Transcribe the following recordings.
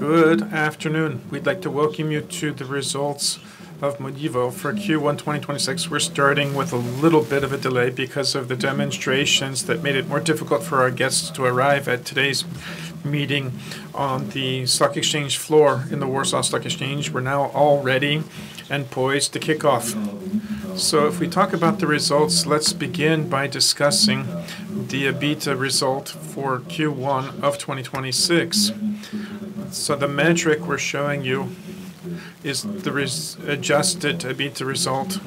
Good afternoon. We'd like to welcome you to the results of Modivo for Q1 2026. We're starting with a little bit of a delay because of the demonstrations that made it more difficult for our guests to arrive at today's meeting on the stock exchange floor in the Warsaw Stock Exchange. We're now all ready and poised to kick off. If we talk about the results, let's begin by discussing the EBITDA result for Q1 of 2026. The metric we're showing you is the adjusted EBITDA result.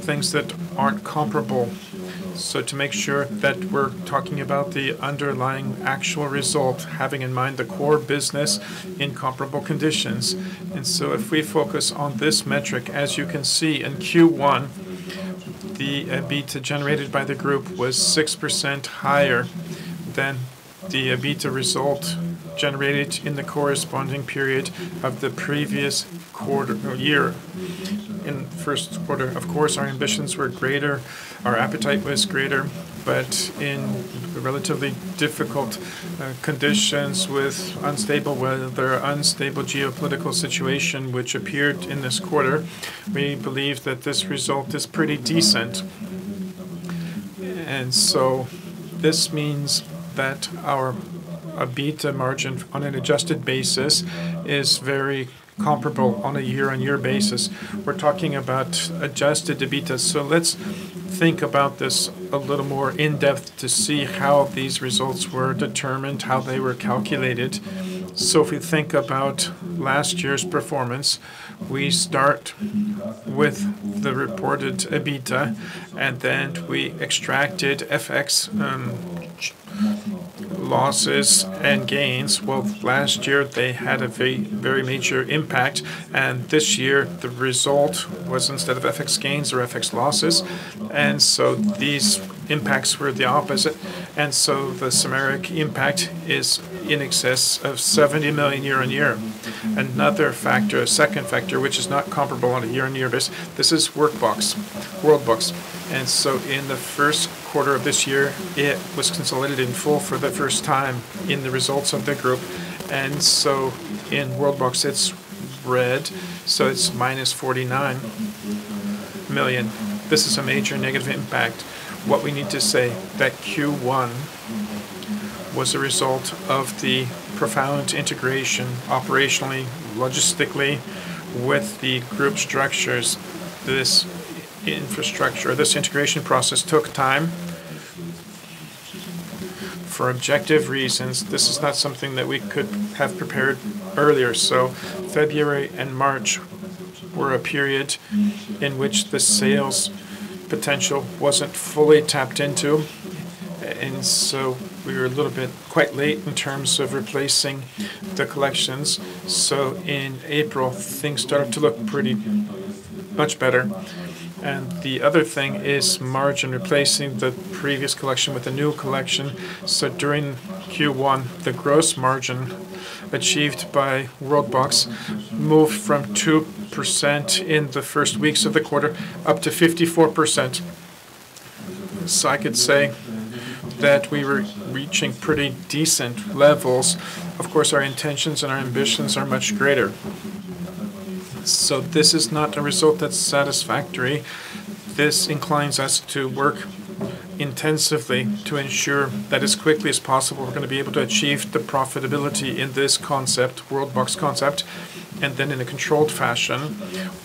Things that aren't comparable. To make sure that we're talking about the underlying actual result, having in mind the core business in comparable conditions. If we focus on this metric, as you can see in Q1, the EBITDA generated by the group was 6% higher than the EBITDA result generated in the corresponding period of the previous year in the first quarter. Of course, our ambitions were greater, our appetite was greater, in relatively difficult conditions with unstable weather, unstable geopolitical situation which appeared in this quarter, we believe that this result is pretty decent. This means that our EBITDA margin on an adjusted basis is very comparable on a year-on-year basis. We're talking about adjusted EBITDA. Let's think about this a little more in-depth to see how these results were determined, how they were calculated. If you think about last year's performance, we start with the reported EBITDA, then we extracted FX losses and gains. Well, last year they had a very major impact, and this year the result was instead of FX gains or FX losses. These impacts were the opposite. The numeric impact is in excess of 70 million year-on-year. Another factor, a second factor which is not comparable on a year-on-year basis, this is Worldbox. In the first quarter of this year, it was consolidated in full for the first time in the results of the group. In Worldbox, it's red, so it's -49 million. This is a major negative impact. What we need to say that Q1 was a result of the profound integration operationally, logistically with the group structures. This infrastructure, this integration process took time for objective reasons. This is not something that we could have prepared earlier. February and March were a period in which the sales potential wasn't fully tapped into. We were a little bit quite late in terms of replacing the collections. In April, things started to look much better. The other thing is margin replacing the previous collection with the new collection. During Q1, the gross margin achieved by Worldbox moved from 2% in the first weeks of the quarter up to 54%. I could say that we were reaching pretty decent levels. Of course, our intentions and our ambitions are much greater. This is not a result that's satisfactory. This inclines us to work intensively to ensure that as quickly as possible, we're going to be able to achieve the profitability in this Worldbox concept. In a controlled fashion,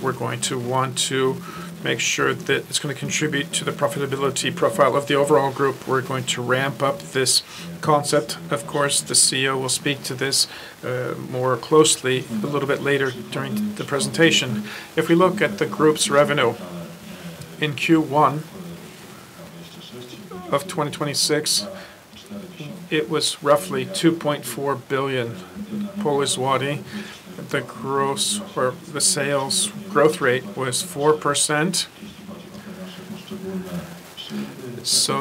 we're going to want to make sure that it's going to contribute to the profitability profile of the overall Group. We're going to ramp up this concept. Of course, the CEO will speak to this more closely a little bit later during the presentation. If we look at the Group's revenue in Q1 of 2026, it was roughly 2.4 billion. The sales growth rate was 4%.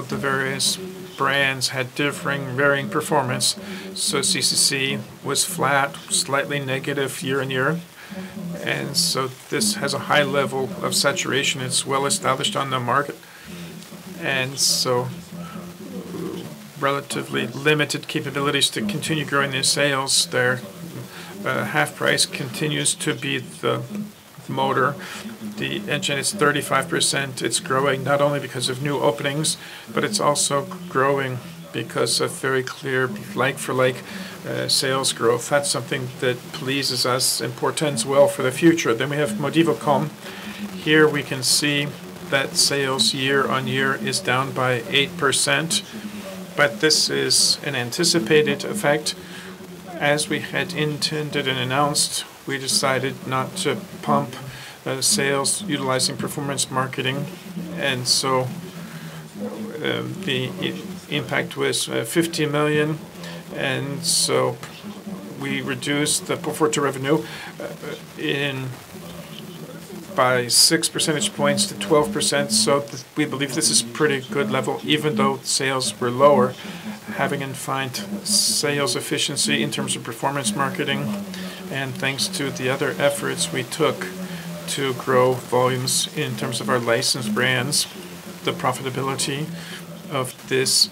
The various brands had differing, varying performance. CCC was flat, slightly negative year-on-year. This has a high level of saturation. It's well-established on the market, relatively limited capabilities to continue growing their sales there. HalfPrice continues to be the motor. The engine is 35%. It's growing not only because of new openings, but it's also growing because of very clear like-for-like sales growth. That's something that pleases us and portends well for the future. We have Modivo.com. Here we can see that sales year-on-year is down by 8%, but this is an anticipated effect. As we had intended and announced, we decided not to pump sales utilizing performance marketing. The impact was 50 million, and so we reduced the pro forma revenue by 6 percentage points to 12%. We believe this is pretty good level. Even though sales were lower, having in mind sales efficiency in terms of performance marketing and thanks to the other efforts we took to grow volumes in terms of our licensed brands, the profitability of this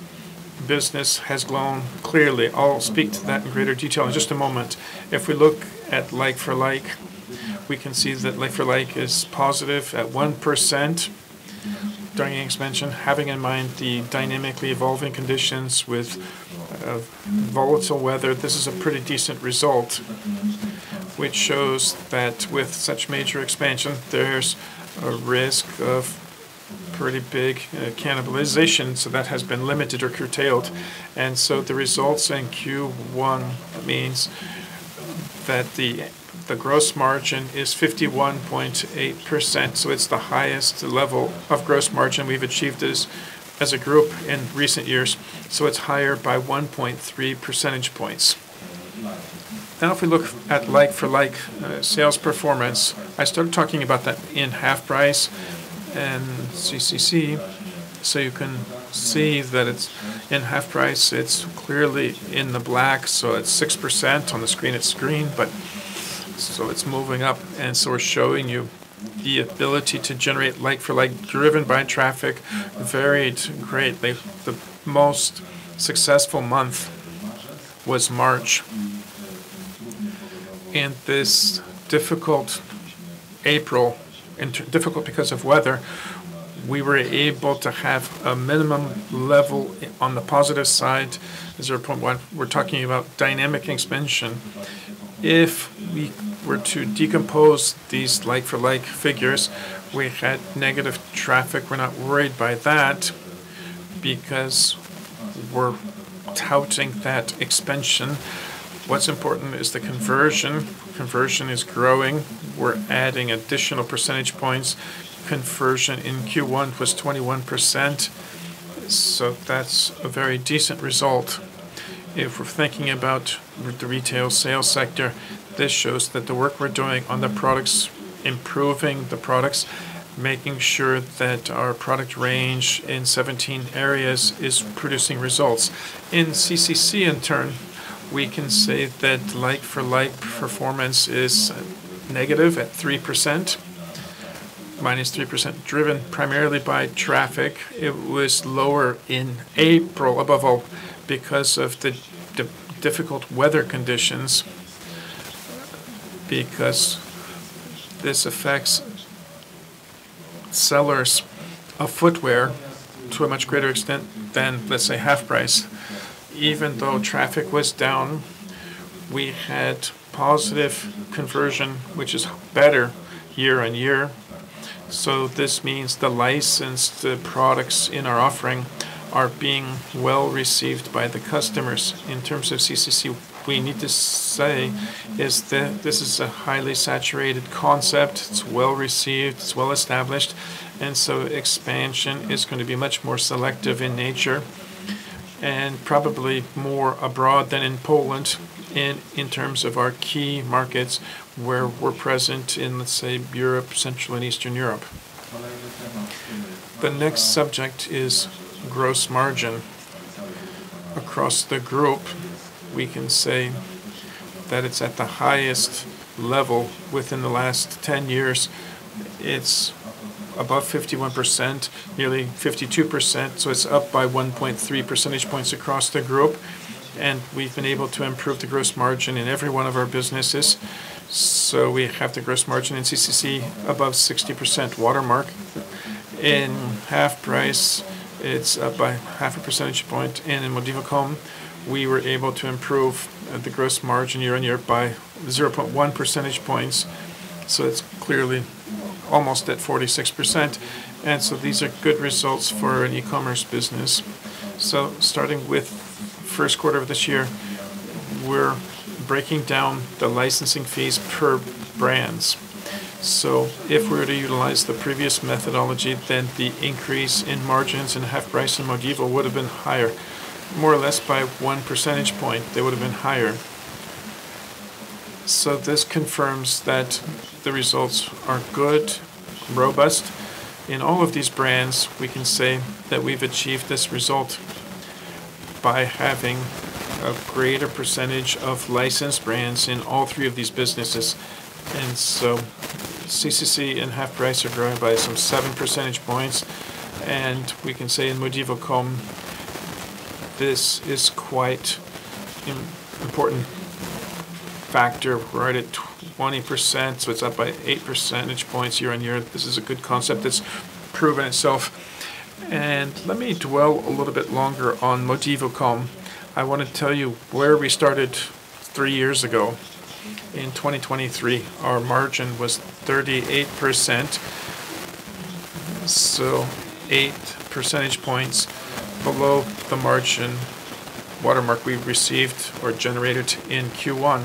business has grown. Clearly, I'll speak to that in greater detail in just a moment. If we look at like-for-like, we can see that like-for-like is positive at 1%. During expansion, having in mind the dynamically evolving conditions with volatile weather, this is a pretty decent result, which shows that with such major expansion, there's a risk of pretty big cannibalization. That has been limited or curtailed. The results in Q1 means that the gross margin is 51.8%, so it's the highest level of gross margin we've achieved as a group in recent years. It's higher by 1.3 percentage points. If we look at like-for-like sales performance, I started talking about that in HalfPrice and CCC, so you can see that in HalfPrice, it's clearly in the black, so it's 6% on the screen. It's green, so it's moving up. We're showing you the ability to generate like-for-like driven by traffic. Varied greatly. The most successful month was March. In this difficult April, and difficult because of weather, we were able to have a minimum level on the positive side, 0.1. We're talking about dynamic expansion. If we were to decompose these like-for-like figures, we had negative traffic. We're not worried by that because we're touting that expansion. What's important is the conversion. Conversion is growing. We're adding additional percentage points. Conversion in Q1 was 21%, so that's a very decent result. If we're thinking about the retail sales sector, this shows that the work we're doing on the products, improving the products, making sure that our product range in 17 areas is producing results. In CCC, in turn, we can say that like-for-like performance is negative at 3%, -3%, driven primarily by traffic. It was lower in April, above all, because of the difficult weather conditions, because this affects sellers of footwear to a much greater extent than, let's say, HalfPrice. Even though traffic was down, we had positive conversion, which is better year-over-year. This means the licensed products in our offering are being well received by the customers. In terms of CCC, we need to say is that this is a highly saturated concept. It's well received. It's well established, expansion is going to be much more selective in nature and probably more abroad than in Poland in terms of our key markets where we're present in, let's say, Europe, Central and Eastern Europe. The next subject is gross margin. Across the group, we can say that it's at the highest level within the last 10 years. It's above 51%, nearly 52%, it's up by 1.3 percentage points across the group, and we've been able to improve the gross margin in every one of our businesses. We have the gross margin in CCC above 60% watermark. In HalfPrice, it's up by half a percentage point. In Modivo.com, we were able to improve the gross margin year on year by 0.1 percentage points, it's clearly almost at 46%. These are good results for an e-commerce business. Starting with first quarter of this year, we're breaking down the licensing fees per brands. If we were to utilize the previous methodology, the increase in margins in HalfPrice and Modivo would have been higher, more or less by one percentage point, they would have been higher. This confirms that the results are good, robust. In all of these brands, we can say that we've achieved this result by having a greater percentage of licensed brands in all three of these businesses. CCC and HalfPrice are growing by some 7 percentage points. We can say in Modivo.com, this is quite an important factor, right at 20%, so it's up by 8 percentage points year on year. This is a good concept that's proven itself. Let me dwell a little bit longer on Modivo.com. I want to tell you where we started three years ago. In 2023, our margin was 38%, so 8 percentage points below the margin watermark we've received or generated in Q1.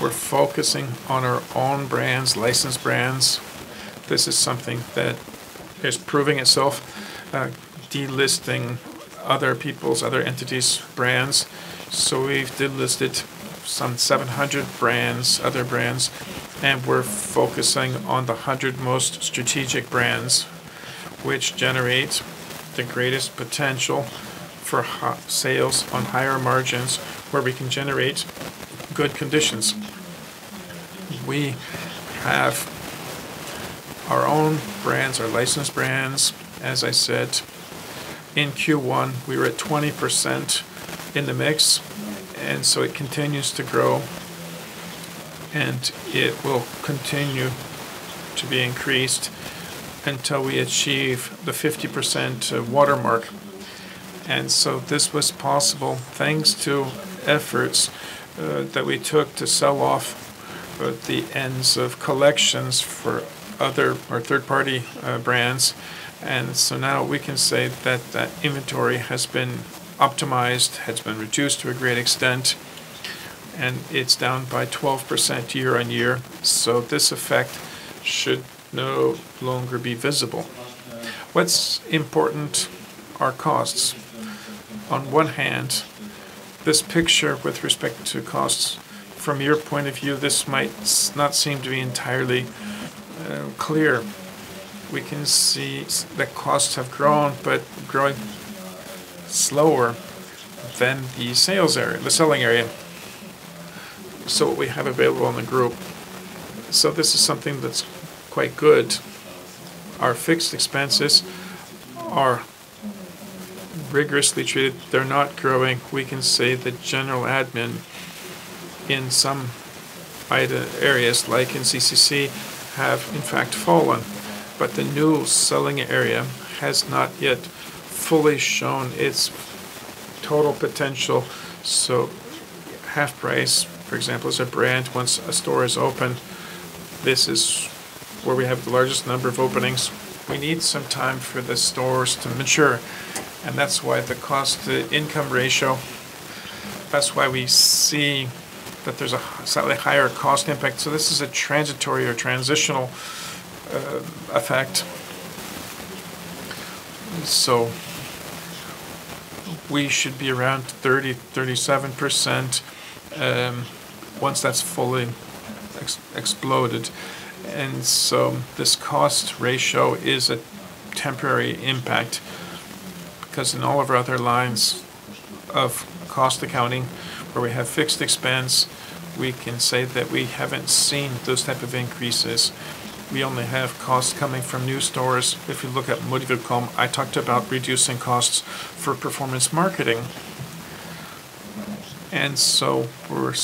We're focusing on our own brands, licensed brands. This is something that is proving itself, delisting other people's, other entities' brands. We've delisted some 700 brands, other brands, and we're focusing on the 100 most strategic brands, which generate the greatest potential for sales on higher margins where we can generate good conditions. We have our own brands, our licensed brands. As I said, in Q1, we were at 20% in the mix, it continues to grow, and it will continue to be increased until we achieve the 50% watermark. This was possible thanks to efforts that we took to sell off the ends of collections for other or third-party brands. Now we can say that that inventory has been optimized, has been reduced to a great extent, and it's down by 12% year-on-year. This effect should no longer be visible. What's important are costs. On one hand, this picture with respect to costs, from your point of view, this might not seem to be entirely clear. We can see the costs have grown but growing slower than the selling area. What we have available in the group. This is something that's quite good. Our fixed expenses are rigorously treated. They're not growing. We can say that general admin in some areas, like in CCC, have in fact fallen, but the new selling area has not yet fully shown its total potential. HalfPrice, for example, as a brand, once a store is opened, this is where we have the largest number of openings. We need some time for the stores to mature, and that's why the cost-to-income ratio, that's why we see that there's a slightly higher cost impact. This is a transitory or transitional effect. We should be around 37% once that's fully exploded. This cost ratio is a temporary impact because in all of our other lines of cost accounting where we have fixed expense, we can say that we haven't seen those type of increases. We only have costs coming from new stores. If you look at modivo.com, I talked about reducing costs for performance marketing. We're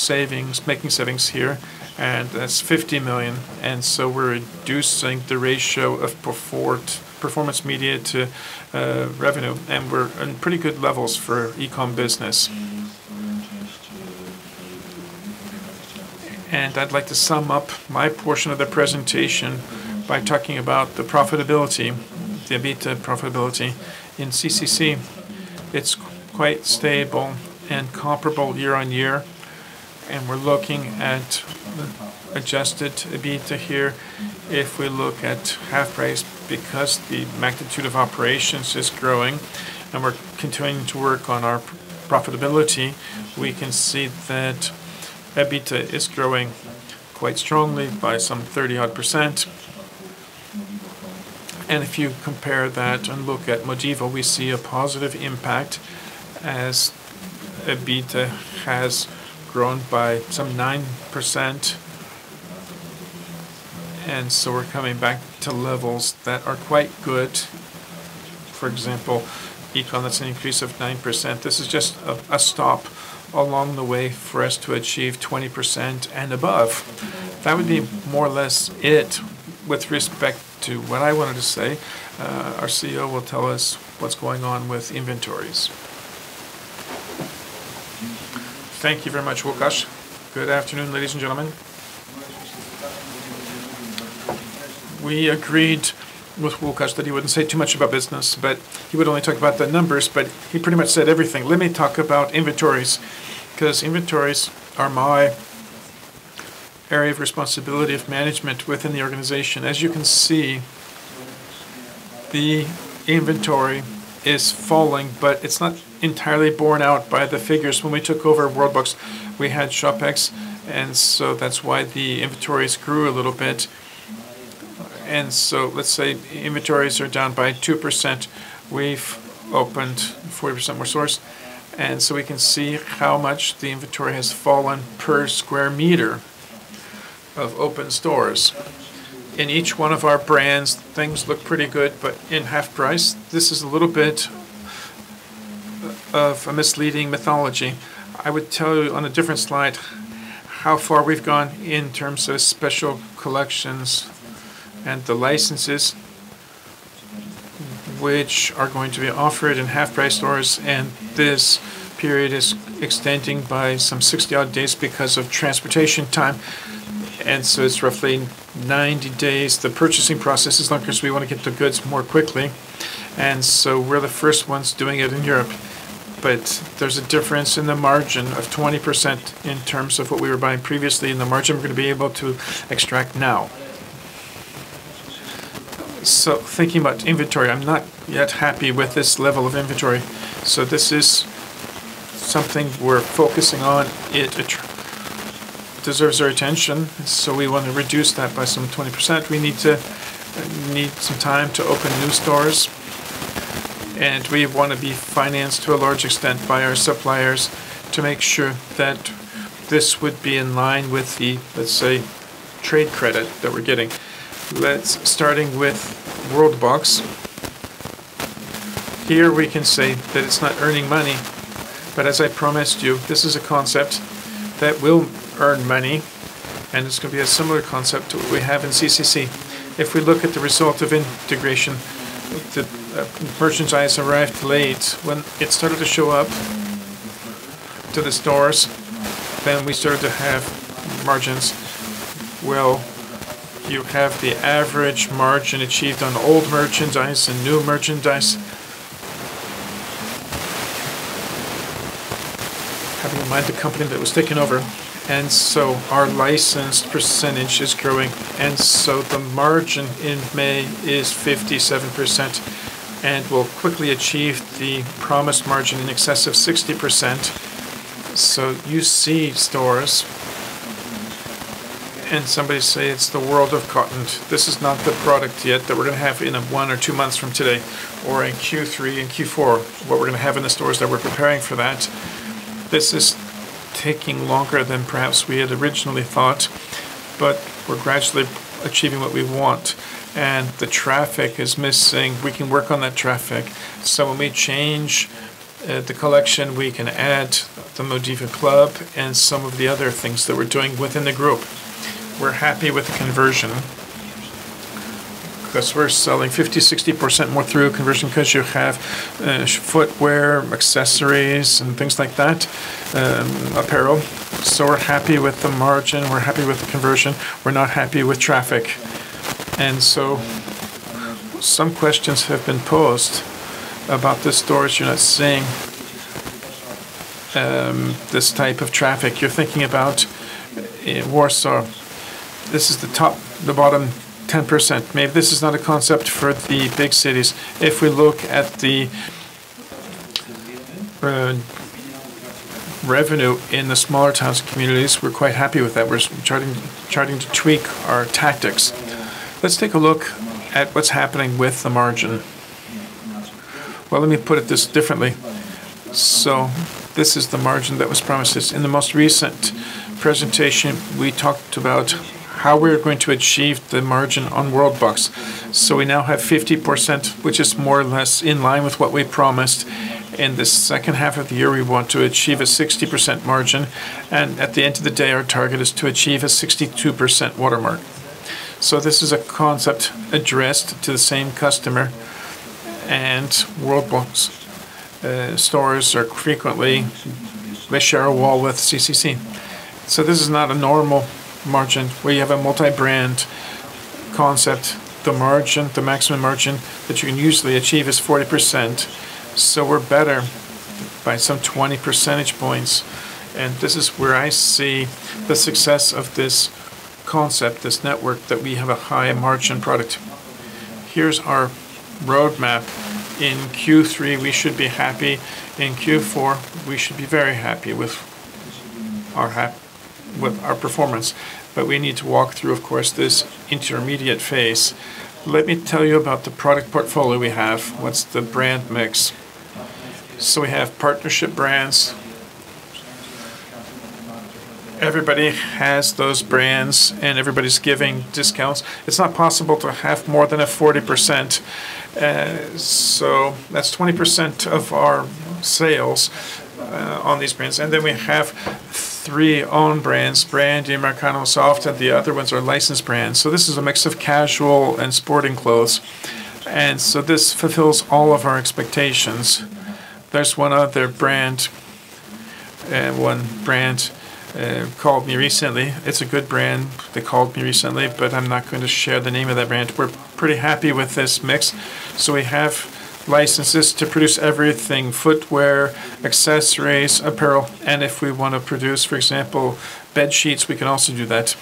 making savings here, and that's 50 million. We're reducing the ratio of performance media to revenue, and we're in pretty good levels for e-com business. I'd like to sum up my portion of the presentation by talking about the profitability, the EBITDA profitability. In CCC, it's quite stable and comparable year-on-year, and we're looking at the adjusted EBITDA here. If we look at HalfPrice, because the magnitude of operations is growing and we're continuing to work on our profitability, we can see that EBITDA is growing quite strongly by some 30-odd%. If you compare that and look at Modivo, we see a positive impact as EBITDA has grown by some 9%. We're coming back to levels that are quite good. For example, e-com, that's an increase of 9%. This is just a stop along the way for us to achieve 20% and above. That would be more or less it with respect to what I wanted to say. Our CEO will tell us what's going on with inventories. Thank you very much, Łukasz. Good afternoon, ladies and gentlemen. We agreed with Łukasz that he wouldn't say too much about business, but he would only talk about the numbers, but he pretty much said everything. Let me talk about inventories, because inventories are my area of responsibility of management within the organization. As you can see, the inventory is falling, but it's not entirely borne out by the figures. When we took over Worldbox, we had Szopex, that's why the inventories grew a little bit. Let's say inventories are down by 2%. We've opened 40% more stores, we can see how much the inventory has fallen per sq m of open stores. In each one of our brands, things look pretty good. In HalfPrice, this is a little bit of a misleading mythology. I would tell you on a different slide how far we've gone in terms of special collections and the licenses which are going to be offered in HalfPrice stores, this period is extending by some 60-odd days because of transportation time. It's roughly 90 days. The purchasing process is longer because we want to get the goods more quickly. We're the first ones doing it in Europe. There's a difference in the margin of 20% in terms of what we were buying previously and the margin we're going to be able to extract now. Thinking about inventory, I'm not yet happy with this level of inventory. It deserves our attention. We want to reduce that by some 20%. We need some time to open new stores, and we want to be financed to a large extent by our suppliers to make sure that this would be in line with the, let's say, trade credit that we're getting. Let's starting with Worldbox. Here we can say that it's not earning money, but as I promised you, this is a concept that will earn money, and it's going to be a similar concept to what we have in CCC. If we look at the result of integration, the merchandise arrived late. When it started to show up to the stores, then we started to have margins. Well, you have the average margin achieved on old merchandise and new merchandise. Having in mind the company that was taken over, and so our licensed percentage is growing, and so the margin in May is 57% and will quickly achieve the promised margin in excess of 60%. You see stores and somebody say it's the world of cotton. This is not the product yet that we're going to have in one or two months from today or in Q3 and Q4. What we're going to have in the stores that we're preparing for that. This is taking longer than perhaps we had originally thought, but we're gradually achieving what we want, and the traffic is missing. We can work on that traffic. When we change the collection, we can add the MODIVOclub and some of the other things that we're doing within the group. We're happy with the conversion because we're selling 50%-60% more through conversion because you have footwear, accessories, and things like that, apparel. We're happy with the margin. We're happy with the conversion. We're not happy with traffic. Some questions have been posed about the stores. You're not seeing this type of traffic. You're thinking about Warsaw. This is the bottom 10%. Maybe this is not a concept for the big cities. If we look at the revenue in the smaller towns and communities, we're quite happy with that. We're starting to tweak our tactics. Let's take a look at what's happening with the margin. Let me put it this differently. This is the margin that was promised. In the most recent presentation, we talked about how we are going to achieve the margin on Worldbox. We now have 50%, which is more or less in line with what we promised. In the second half of the year, we want to achieve a 60% margin, and at the end of the day, our target is to achieve a 62% watermark. This is a concept addressed to the same customer, and Worldbox stores frequently may share a wall with CCC. This is not a normal margin where you have a multi-brand concept. The maximum margin that you can usually achieve is 40%. We're better by some 20 percentage points. This is where I see the success of this concept, this network, that we have a high-margin product. Here's our roadmap. In Q3, we should be happy. In Q4, we should be very happy with our performance. We need to walk through, of course, this intermediate phase. Let me tell you about the product portfolio we have. What's the brand mix? We have partnership brands. Everybody has those brands, and everybody's giving discounts. It's not possible to have more than a 40%. That's 20% of our sales on these brands. We have three own brands, Sprandi, Americanos, Softa. The other ones are licensed brands. This is a mix of casual and sporting clothes. This fulfills all of our expectations. There's one other brand, one brand called me recently. It's a good brand. They called me recently, but I'm not going to share the name of that brand. We're pretty happy with this mix. We have licenses to produce everything, footwear, accessories, apparel, and if we want to produce, for example, bedsheets, we can also do that.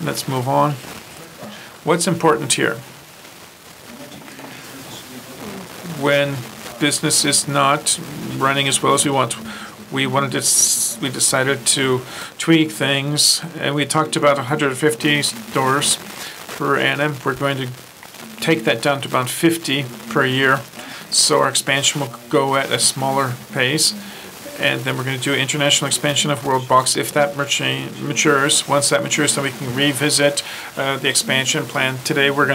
Let's move on. What's important here? When business is not running as well as we want, we decided to tweak things, and we talked about 150 stores per annum. We're going to take that down to about 50 per year. Our expansion will go at a smaller pace. Then we're going to do international expansion of Worldbox. If that matures, once that matures, then we can revisit the expansion plan. Today, we're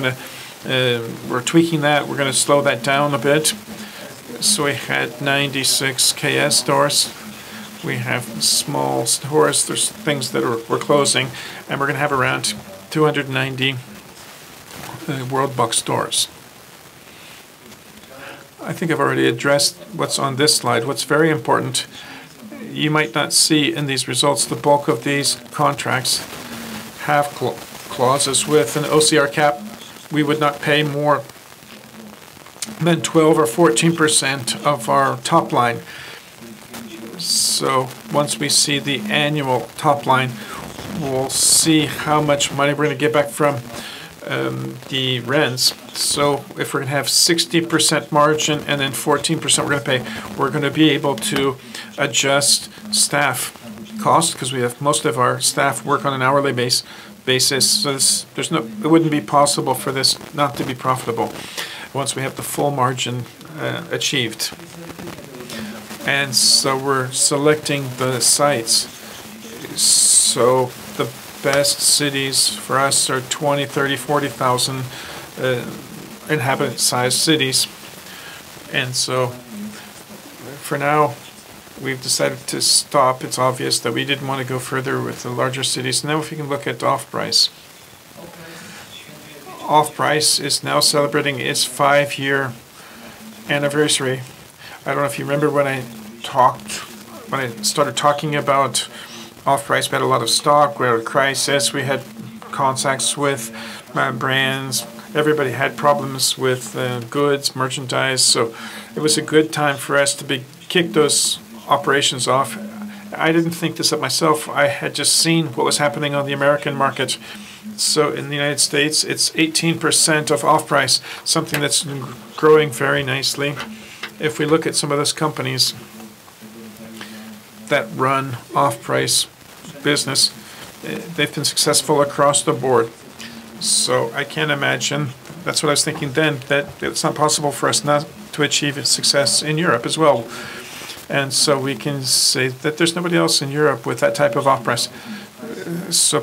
tweaking that. We're going to slow that down a bit. We had 96 KAES stores. We have small stores. There's things that we're closing, and we're going to have around 290 Worldbox stores. I think I've already addressed what's on this slide. What's very important, you might not see in these results, the bulk of these contracts have clauses with an OCR cap. We would not pay more than 12% or 14% of our top line. Once we see the annual top line, we'll see how much money we're going to get back from the rents. If we're going to have 60% margin and then 14% we're going to pay, we're going to be able to adjust staff cost, because most of our staff work on an hourly basis. It wouldn't be possible for this not to be profitable once we have the full margin achieved. We're selecting the sites. The best cities for us are 20,000, 30,000, 40,000 inhabitant size cities. For now, we've decided to stop. It's obvious that we didn't want to go further with the larger cities. If you can look at HalfPrice. HalfPrice is now celebrating its five-year anniversary. I don't know if you remember when I started talking about HalfPrice. We had a lot of stock. We had a crisis. We had contacts with brands. Everybody had problems with goods, merchandise. It was a good time for us to kick those operations off. I didn't think this of myself. I had just seen what was happening on the American market. In the United States, it's 18% of HalfPrice, something that's growing very nicely. If we look at some of those companies that run off-price business, they've been successful across the board. I can't imagine, that's what I was thinking then, that it's not possible for us not to achieve success in Europe as well. We can say that there's nobody else in Europe with that type of Off-price.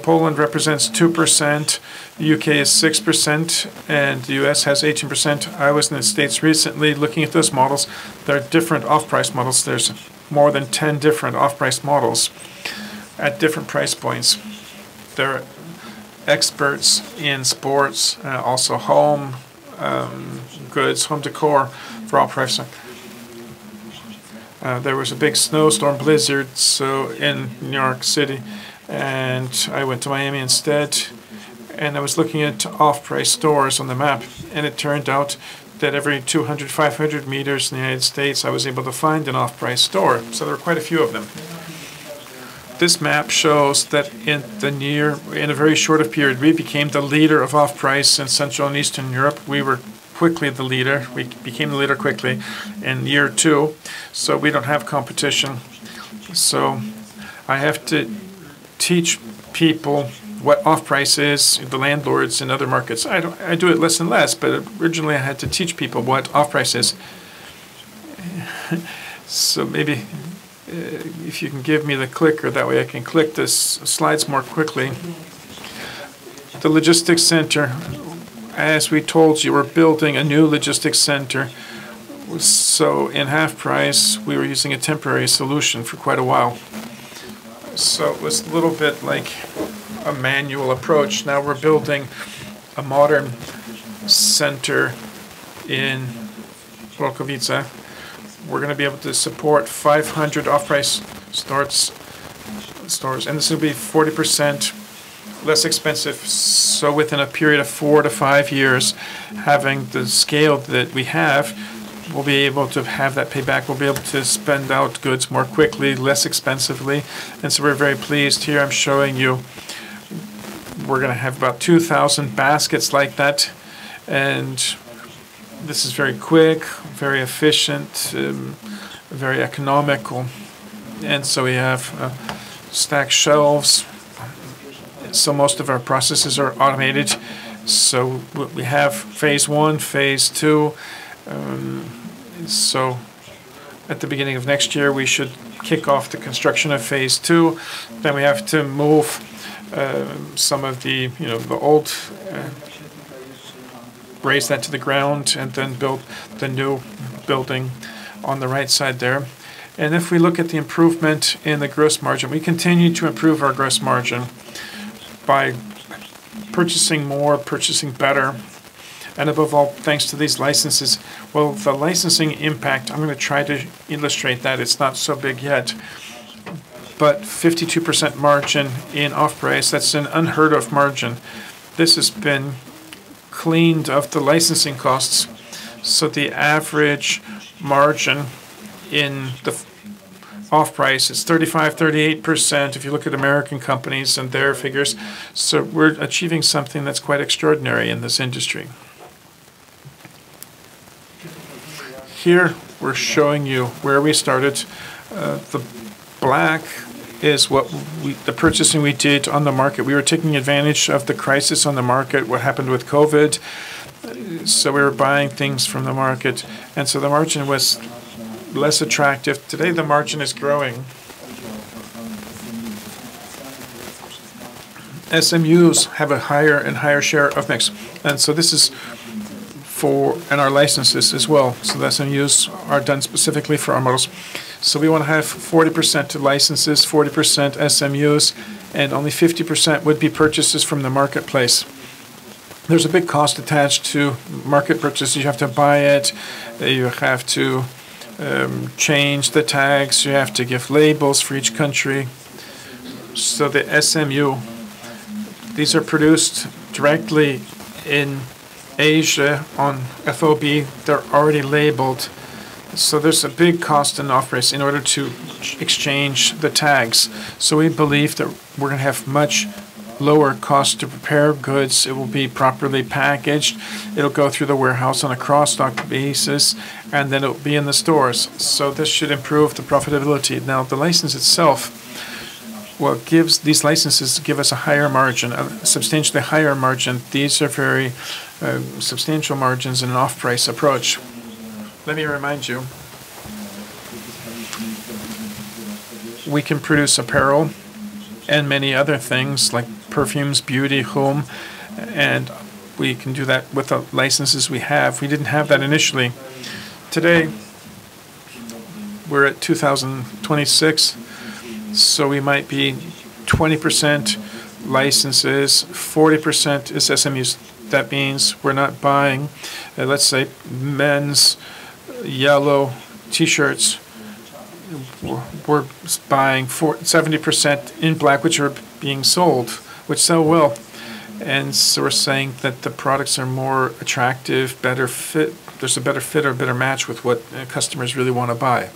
Poland represents 2%, the U.K. is 6%, and the U.S. has 18%. I was in the States recently looking at those models. There are different off-price models. There's more than 10 different off-price models at different price points. There are experts in sports, also home goods, home decor for Off-price. There was a big snowstorm blizzard in New York City, and I went to Miami instead, and I was looking at off-price stores on the map, and it turned out that every 200, 500 meters in the United States, I was able to find an off-price store. There were quite a few of them. This map shows that in a very short period, we became the leader of HalfPrice in Central and Eastern Europe. We were quickly the leader. We became the leader quickly in year two, we don't have competition. I have to teach people what HalfPrice is, the landlords in other markets. I do it less and less, originally, I had to teach people what HalfPrice is. Maybe if you can give me the clicker, that way I can click the slides more quickly. The logistics center. As we told you, we're building a new logistics center. In Half Price, we were using a temporary solution for quite a while. It was a little bit like a manual approach. Now we're building a modern center in Włocławek. We're going to be able to support 500 Off-price stores, this will be 40% less expensive. Within a period of four to five years, having the scale that we have, we'll be able to have that payback. We'll be able to send out goods more quickly, less expensively, we're very pleased. Here, I'm showing you, we're going to have about 2,000 baskets like that, this is very quick, very efficient, very economical. We have stack shelves. Most of our processes are automated. We have phase I, phase II. At the beginning of next year, we should kick off the construction of phase II. We have to move some of the old, raze that to the ground, build the new building on the right side there. If we look at the improvement in the gross margin, we continue to improve our gross margin by purchasing more, purchasing better, and above all, thanks to these licenses. The licensing impact, I'm going to try to illustrate that it's not so big yet. 52% margin in Off-price, that's an unheard-of margin. This has been cleaned of the licensing costs, the average margin in the Off-price is 35%, 38%, if you look at American companies and their figures. We're achieving something that's quite extraordinary in this industry. Here, we're showing you where we started. The black is the purchasing we did on the market. We were taking advantage of the crisis on the market, what happened with COVID. We were buying things from the market, and so the margin was less attractive. Today, the margin is growing. SMUs have a higher and higher share of mix. Our licenses as well. The SMUs are done specifically for our models. We want to have 40% to licenses, 40% SMUs, and only 50% would be purchases from the marketplace. There's a big cost attached to market purchases. You have to buy it. You have to change the tags. You have to give labels for each country. The SMU, these are produced directly in Asia on FOB, they're already labeled. There's a big cost in Off-price in order to exchange the tags. We believe that we're going to have much lower cost to prepare goods. It will be properly packaged, it'll go through the warehouse on a cross-dock basis, and then it'll be in the stores. This should improve the profitability. The license itself, these licenses give us a higher margin, a substantially higher margin. These are very substantial margins in an Off-price approach. Let me remind you, we can produce apparel and many other things like perfumes, beauty, home, and we can do that with the licenses we have. We didn't have that initially. Today, we're at 2026, we might be 20% licenses, 40% is SMUs. That means we're not buying, let's say, men's yellow T-shirts. We're buying 70% in black, which are being sold, which sell well. We're saying that the products are more attractive, there's a better fit or better match with what customers really want to buy.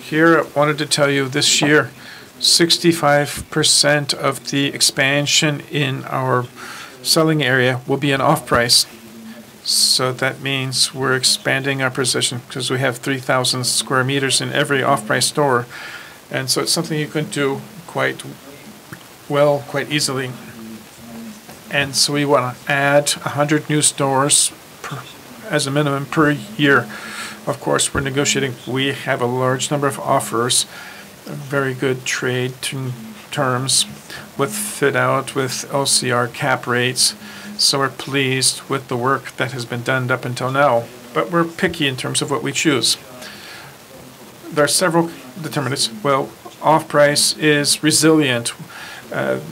Here, I wanted to tell you this year, 65% of the expansion in our selling area will be in Off-price. That means we're expanding our position, because we have 3,000 sq m in every Off-price store. It's something you can do quite well, quite easily. We want to add 100 new stores as a minimum per year. Of course, we're negotiating. We have a large number of offers, very good trade terms with fit out, with OCR CAP rates. We're pleased with the work that has been done up until now. We're picky in terms of what we choose. There are several determinants. Off-price is resilient. There's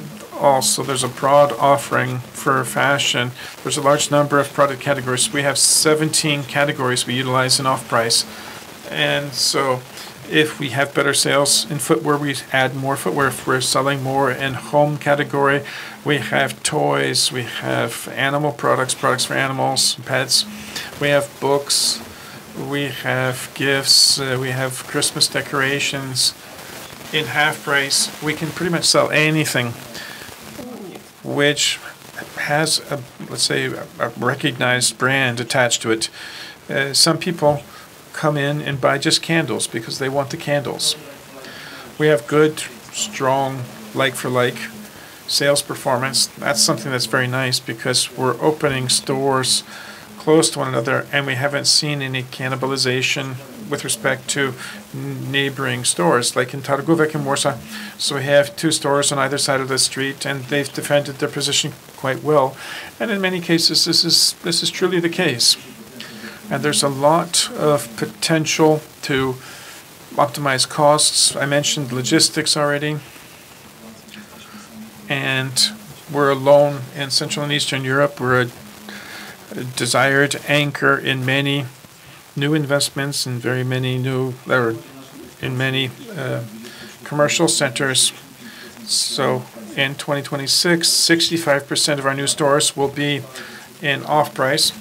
a broad offering for fashion. There's a large number of product categories. We have 17 categories we utilize in Off-price. If we have better sales in footwear, we add more footwear. If we're selling more in home category, we have toys, we have animal products for animals, pets. We have books. We have gifts. We have Christmas decorations. In HalfPrice, we can pretty much sell anything which has, let's say, a recognized brand attached to it. Some people come in and buy just candles because they want the candles. We have good, strong, like-for-like sales performance. That's something that's very nice because we're opening stores close to one another, and we haven't seen any cannibalization with respect to neighboring stores, like in Targówek and Wola. We have two stores on either side of the street, and they've defended their position quite well. In many cases, this is truly the case. There's a lot of potential to optimize costs. I mentioned logistics already. We're alone in Central and Eastern Europe. We're a desired anchor in many new investments and very many new commercial centers. In 2026, 65% of our new stores will be in HalfPrice.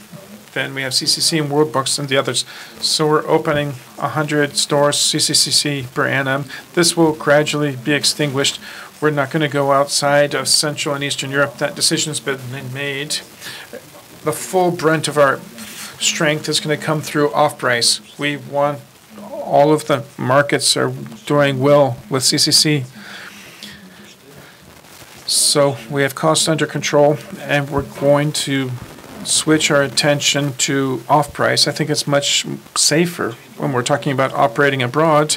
We have CCC and Worldbox and the others. We're opening 100 stores, CCC per annum. This will gradually be extinguished. We're not going to go outside of Central and Eastern Europe. That decision's been made. The full brunt of our strength is going to come through HalfPrice. All of the markets are doing well with CCC. We have costs under control, and we're going to switch our attention to HalfPrice. I think it's much safer when we're talking about operating abroad.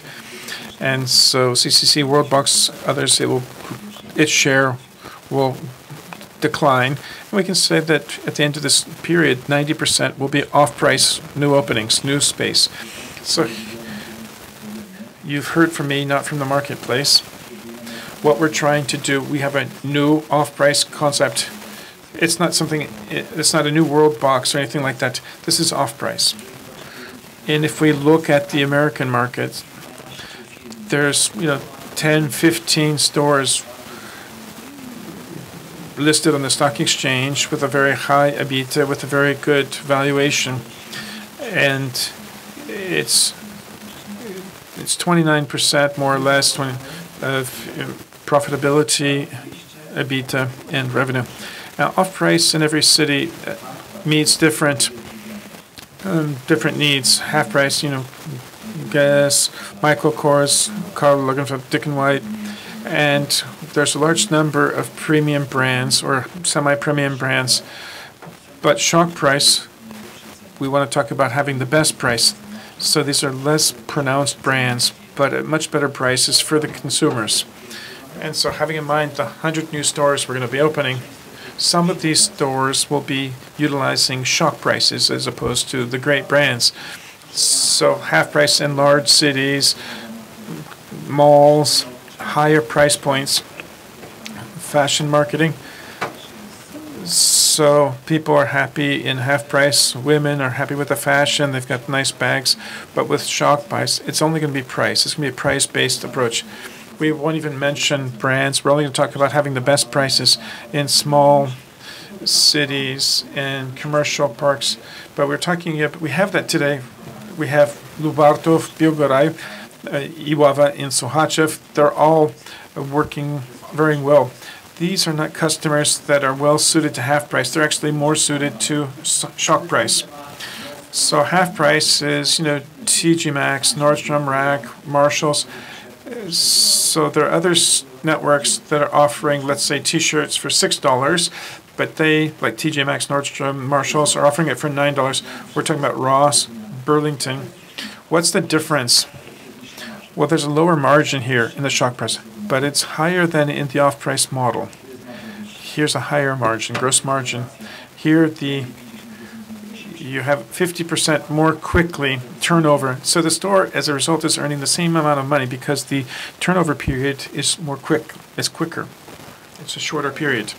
CCC, Worldbox, others, its share will decline. We can say that at the end of this period, 90% will be HalfPrice, new openings, new space. You've heard from me, not from the marketplace. What we're trying to do, we have a new HalfPrice concept. It's not a new Worldbox or anything like that. This is Off-price. If we look at the American market, there's 10, 15 stores listed on the stock exchange with a very high EBITDA, with a very good valuation. It's 29%, more or less, of profitability, EBITDA, and revenue. Off-price in every city meets different needs. HalfPrice, Guess, Michael Kors, Karl Lagerfeld, DKNY, and there's a large number of premium brands or semi-premium brands. Shock Price, we want to talk about having the best price. These are less pronounced brands, but at much better prices for the consumers. Having in mind the 100 new stores we're going to be opening, some of these stores will be utilizing Shock Prices as opposed to the great brands. HalfPrice in large cities, malls, higher price points, fashion marketing. People are happy in HalfPrice. Women are happy with the fashion. They've got nice bags. With Shock Price, it's only going to be price. It's going to be a price-based approach. We won't even mention brands. We're only going to talk about having the best prices in small cities and commercial parks. We have that today. We have Lubartów, Biłgoraj, Iława, and Sochaczew. They're all working very well. These are not customers that are well-suited to HalfPrice. They're actually more suited to Shock Price. HalfPrice is TJ Maxx, Nordstrom Rack, Marshalls. There are other networks that are offering, let's say, T-shirts for $6. They, like TJ Maxx, Nordstrom, Marshalls, are offering it for $9. We're talking about Ross, Burlington. What's the difference? There's a lower margin here in the Shock Price, but it's higher than in the off-price model. Here's a higher margin, gross margin. Here, you have 50% more quick turnover. The store, as a result, is earning the same amount of money because the turnover period is quicker. It's a shorter period.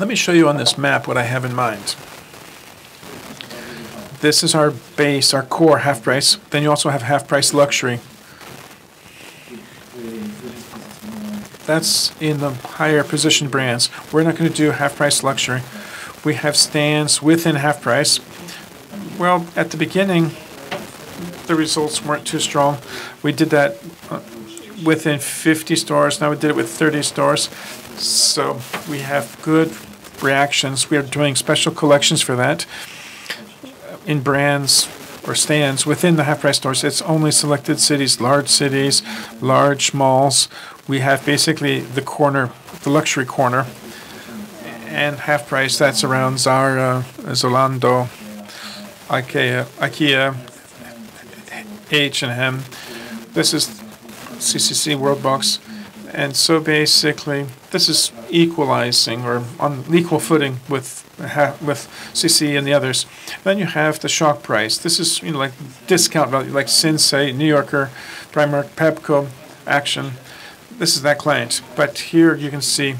Let me show you on this map what I have in mind. This is our base, our core HalfPrice. You also have HalfPrice luxury. That's in the higher-positioned brands. We're not going to do HalfPrice luxury. We have stands within HalfPrice. Well, at the beginning, the results weren't too strong. We did that within 50 stores. Now we did it with 30 stores. We have good reactions. We are doing special collections for that in brands or stands within the HalfPrice stores. It's only selected cities, large cities, large malls. We have basically the luxury corner and HalfPrice. That's around Zara, Zalando, IKEA, H&M. This is CCC, Worldbox. Basically, this is equalizing or on equal footing with CCC and the others. You have the Shock Price. This is like discount value, like Sinsay, New Yorker, Primark, Pepco, Action. This is that client. Here you can see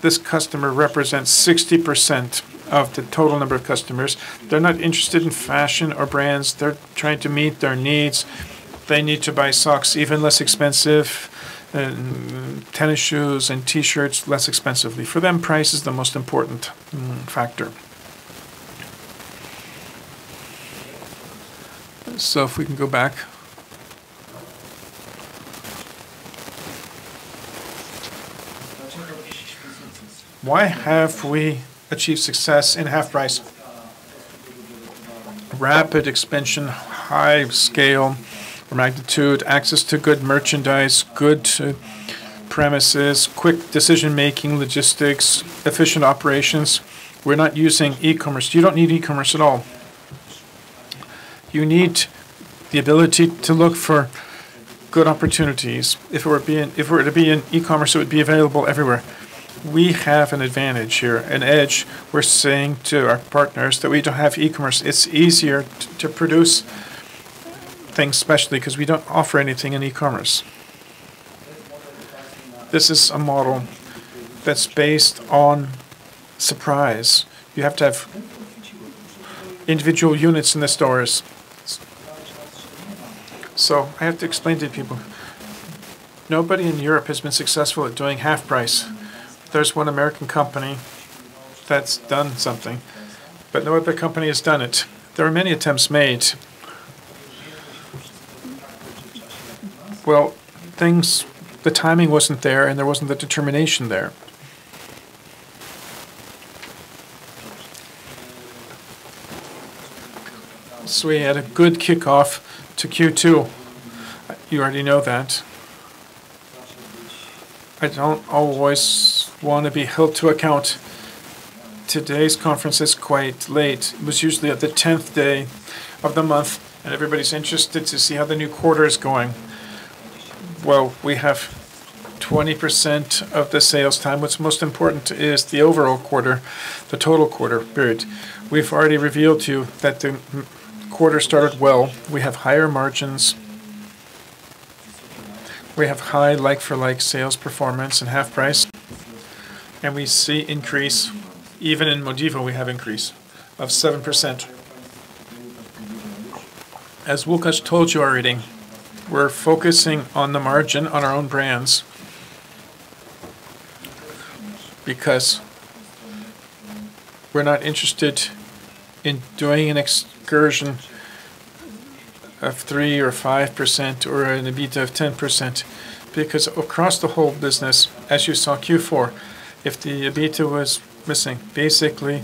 this customer represents 60% of the total number of customers. They're not interested in fashion or brands. They're trying to meet their needs. They need to buy socks even less expensive, tennis shoes and T-shirts less expensively. For them, price is the most important factor. If we can go back. Why have we achieved success in HalfPrice? Rapid expansion, high scale, magnitude, access to good merchandise, good premises, quick decision-making, logistics, efficient operations. We're not using e-commerce. You don't need e-commerce at all. You need the ability to look for good opportunities. If it were to be in e-commerce, it would be available everywhere. We have an advantage here, an edge. We're saying to our partners that we don't have e-commerce. It's easier to produce things especially because we don't offer anything in e-commerce. This is a model that's based on surprise. You have to have individual units in the stores. I have to explain to you people, nobody in Europe has been successful at doing HalfPrice. There's one American company that's done something, no other company has done it. There were many attempts made. The timing wasn't there wasn't the determination there. We had a good kickoff to Q2. You already know that. I don't always want to be held to account. Today's conference is quite late. It was usually at the 10th day of the month, and everybody's interested to see how the new quarter is going. Well, we have 20% of the sales time. What's most important is the overall quarter, the total quarter period. We've already revealed to you that the quarter started well. We have higher margins. We have high like-for-like sales performance and HalfPrice. We see increase, even in Modivo, we have increase of 7%. As Łukasz told you already, we're focusing on the margin on our own brands because we're not interested in doing an excursion of 3% or 5% or an EBITDA of 10%, because across the whole business, as you saw Q4, if the EBITDA was missing, basically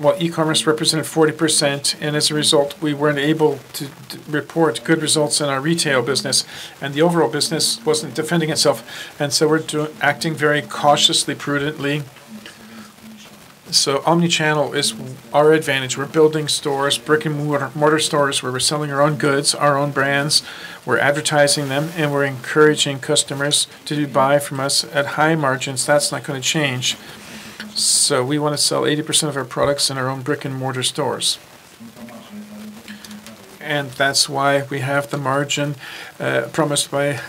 what e-commerce represented 40%, and as a result, we weren't able to report good results in our retail business, and the overall business wasn't defending itself. We're acting very cautiously, prudently. Omnichannel is our advantage. We're building stores, brick-and-mortar stores, where we're selling our own goods, our own brands. We're advertising them, and we're encouraging customers to buy from us at high margins. That's not going to change. We want to sell 80% of our products in our own brick-and-mortar stores. That's why we have the margin promised by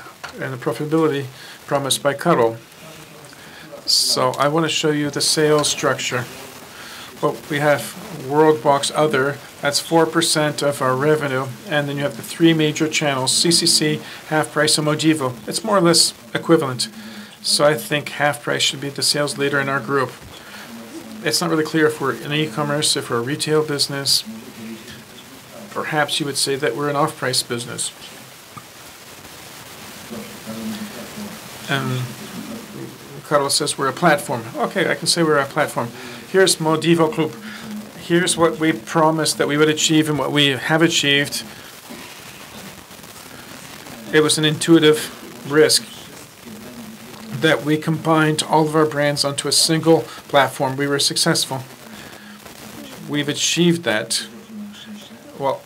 and the profitability promised by Karol. I want to show you the sales structure. We have Worldbox other, that's 4% of our revenue, and then you have the three major channels, CCC, HalfPrice, and Modivo. It's more or less equivalent. I think HalfPrice should be the sales leader in our group. It's not really clear if we're an e-commerce, if we're a retail business. Perhaps you would say that we're an off-price business. Carlo says we're a platform. Okay, I can say we are a platform. Here is Modivo Group. Here is what we promised that we would achieve and what we have achieved. It was an intuitive risk that we combined all of our brands onto a single platform. We were successful. We have achieved that. Well,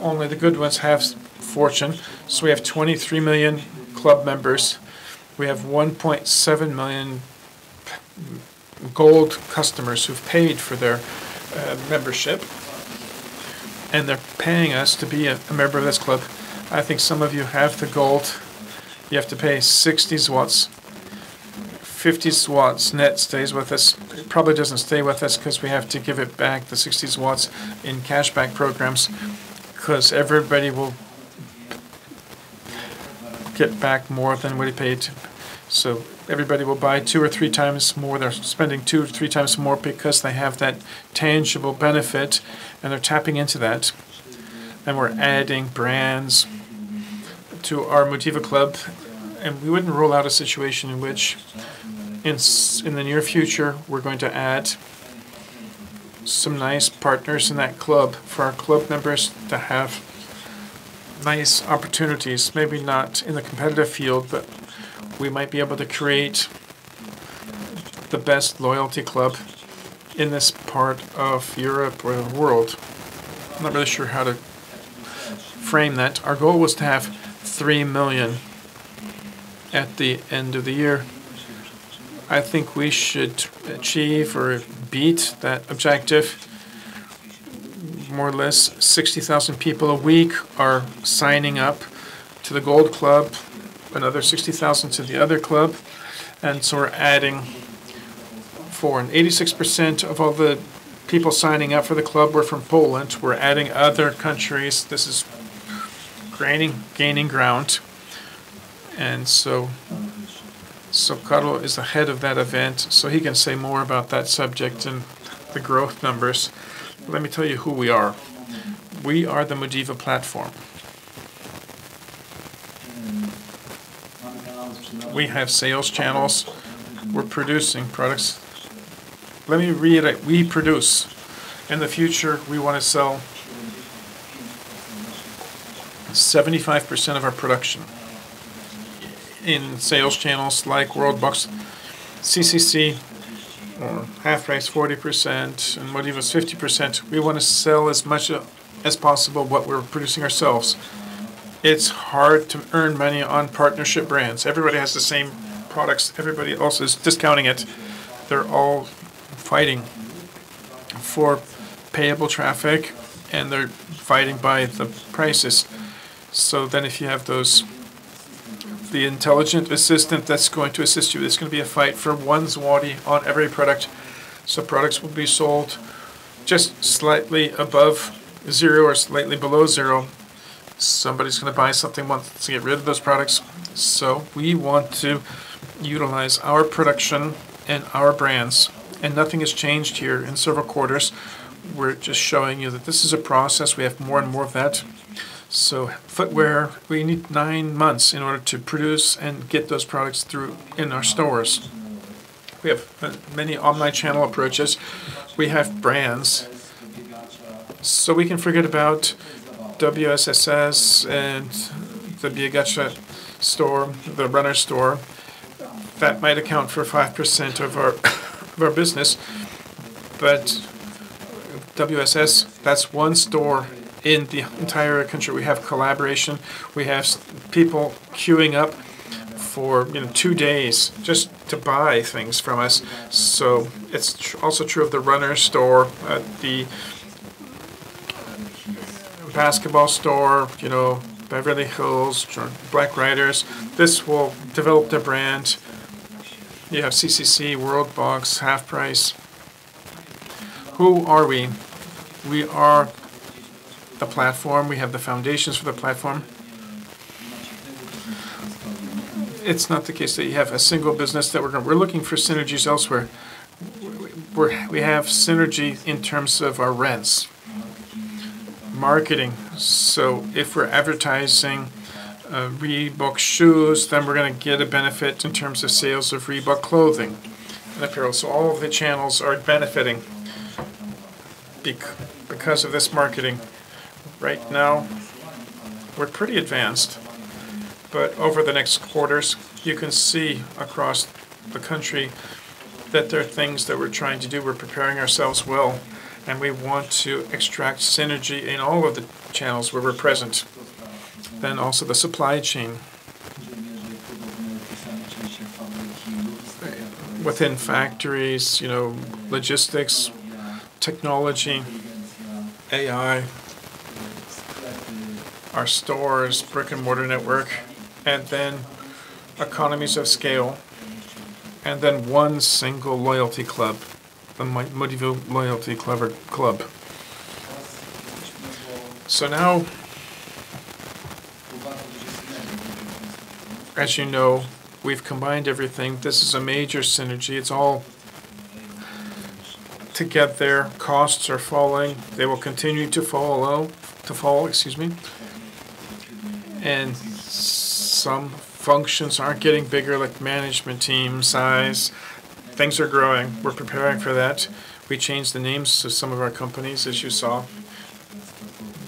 only the good ones have fortune. We have 23 million club members. We have 1.7 million gold customers who have paid for their membership, and they are paying us to be a member of this club. I think some of you have the gold. You have to pay 60. 50 net stays with us. It probably does not stay with us because we have to give it back, the 60, in cash-back programs, because everybody will get back more than what he paid. Everybody will buy two or three times more. They're spending two to three times more because they have that tangible benefit, and they're tapping into that. We're adding brands to our MODIVOclub, we wouldn't rule out a situation in which in the near future, we're going to add some nice partners in that club for our club members to have nice opportunities. We might be able to create the best loyalty club in this part of Europe or the world. I'm not really sure how to frame that. Our goal was to have 3 million at the end of the year. I think we should achieve or beat that objective. More or less 60,000 people a week are signing up to the gold club, another 60,000 to the other club. We're adding 86% of all the people signing up for the club were from Poland. We're adding other countries. This is gaining ground. Karol is the head of that event, so he can say more about that subject and the growth numbers. Let me tell you who we are. We are the Modivo platform. We have sales channels. We're producing products. Let me reiterate, we produce. In the future, we want to sell 75% of our production in sales channels like Worldbox, CCC, or HalfPrice 40%, and Modivo is 50%. We want to sell as much as possible what we're producing ourselves. It's hard to earn money on partnership brands. Everybody has the same products. Everybody also is discounting it. They're all fighting for payable traffic, and they're fighting by the prices. If you have the intelligent assistant that's going to assist you, it's going to be a fight for one złoty on every product. Products will be sold just slightly above zero or slightly below zero. Somebody's going to buy something, wants to get rid of those products. We want to utilize our production and our brands. Nothing has changed here in several quarters. We're just showing you that this is a process. We have more and more of that. Footwear, we need nine months in order to produce and get those products through in our stores. We have many online channel approaches. We have brands. We can forget about WSS and the Biegacza store, the Runner store. That might account for 5% of our business, but WSS, that's one store in the entire country. We have collaboration. We have people queuing up for two days just to buy things from us. It's also true of the Runner store, the basketball store, Beverly Hills, Black Riders. This will develop the brand. You have CCC, Worldbox, HalfPrice. Who are we? We are the platform. We have the foundations for the platform. It's not the case that you have a single business that we're looking for synergies elsewhere. We have synergy in terms of our rents. Marketing. If we're advertising Reebok shoes, we're going to get a benefit in terms of sales of Reebok clothing and apparel. All of the channels are benefiting because of this marketing. Right now, we're pretty advanced, but over the next quarters, you can see across the country that there are things that we're trying to do. We're preparing ourselves well, and we want to extract synergy in all of the channels where we're present. Also the supply chain. Within factories, logistics, technology, AI. Our stores, brick and mortar network, economies of scale, one single loyalty club, the MODIVO loyalty club. Now, as you know, we've combined everything. This is a major synergy. To get there, costs are falling. They will continue to fall. Some functions are getting bigger, like management team size. Things are growing. We're preparing for that. We changed the names to some of our companies, as you saw,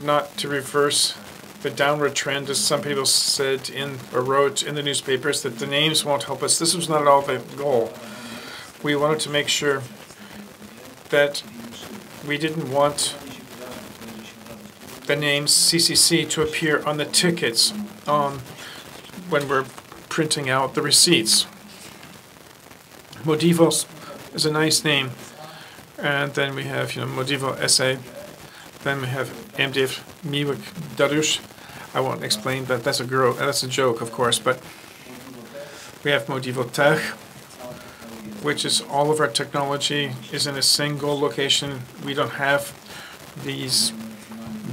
not to reverse the downward trend, as some people said or wrote in the newspapers that the names won't help us. This was not at all the goal. We wanted to make sure that we didn't want the name CCC to appear on the tickets when we're printing out the receipts. Modivo is a nice name. We have Modivo S.A. We have MDF Dariusz Miłek. I won't explain that. That's a joke, of course. We have Modivo Tech, which is all of our technology is in a single location. We don't have these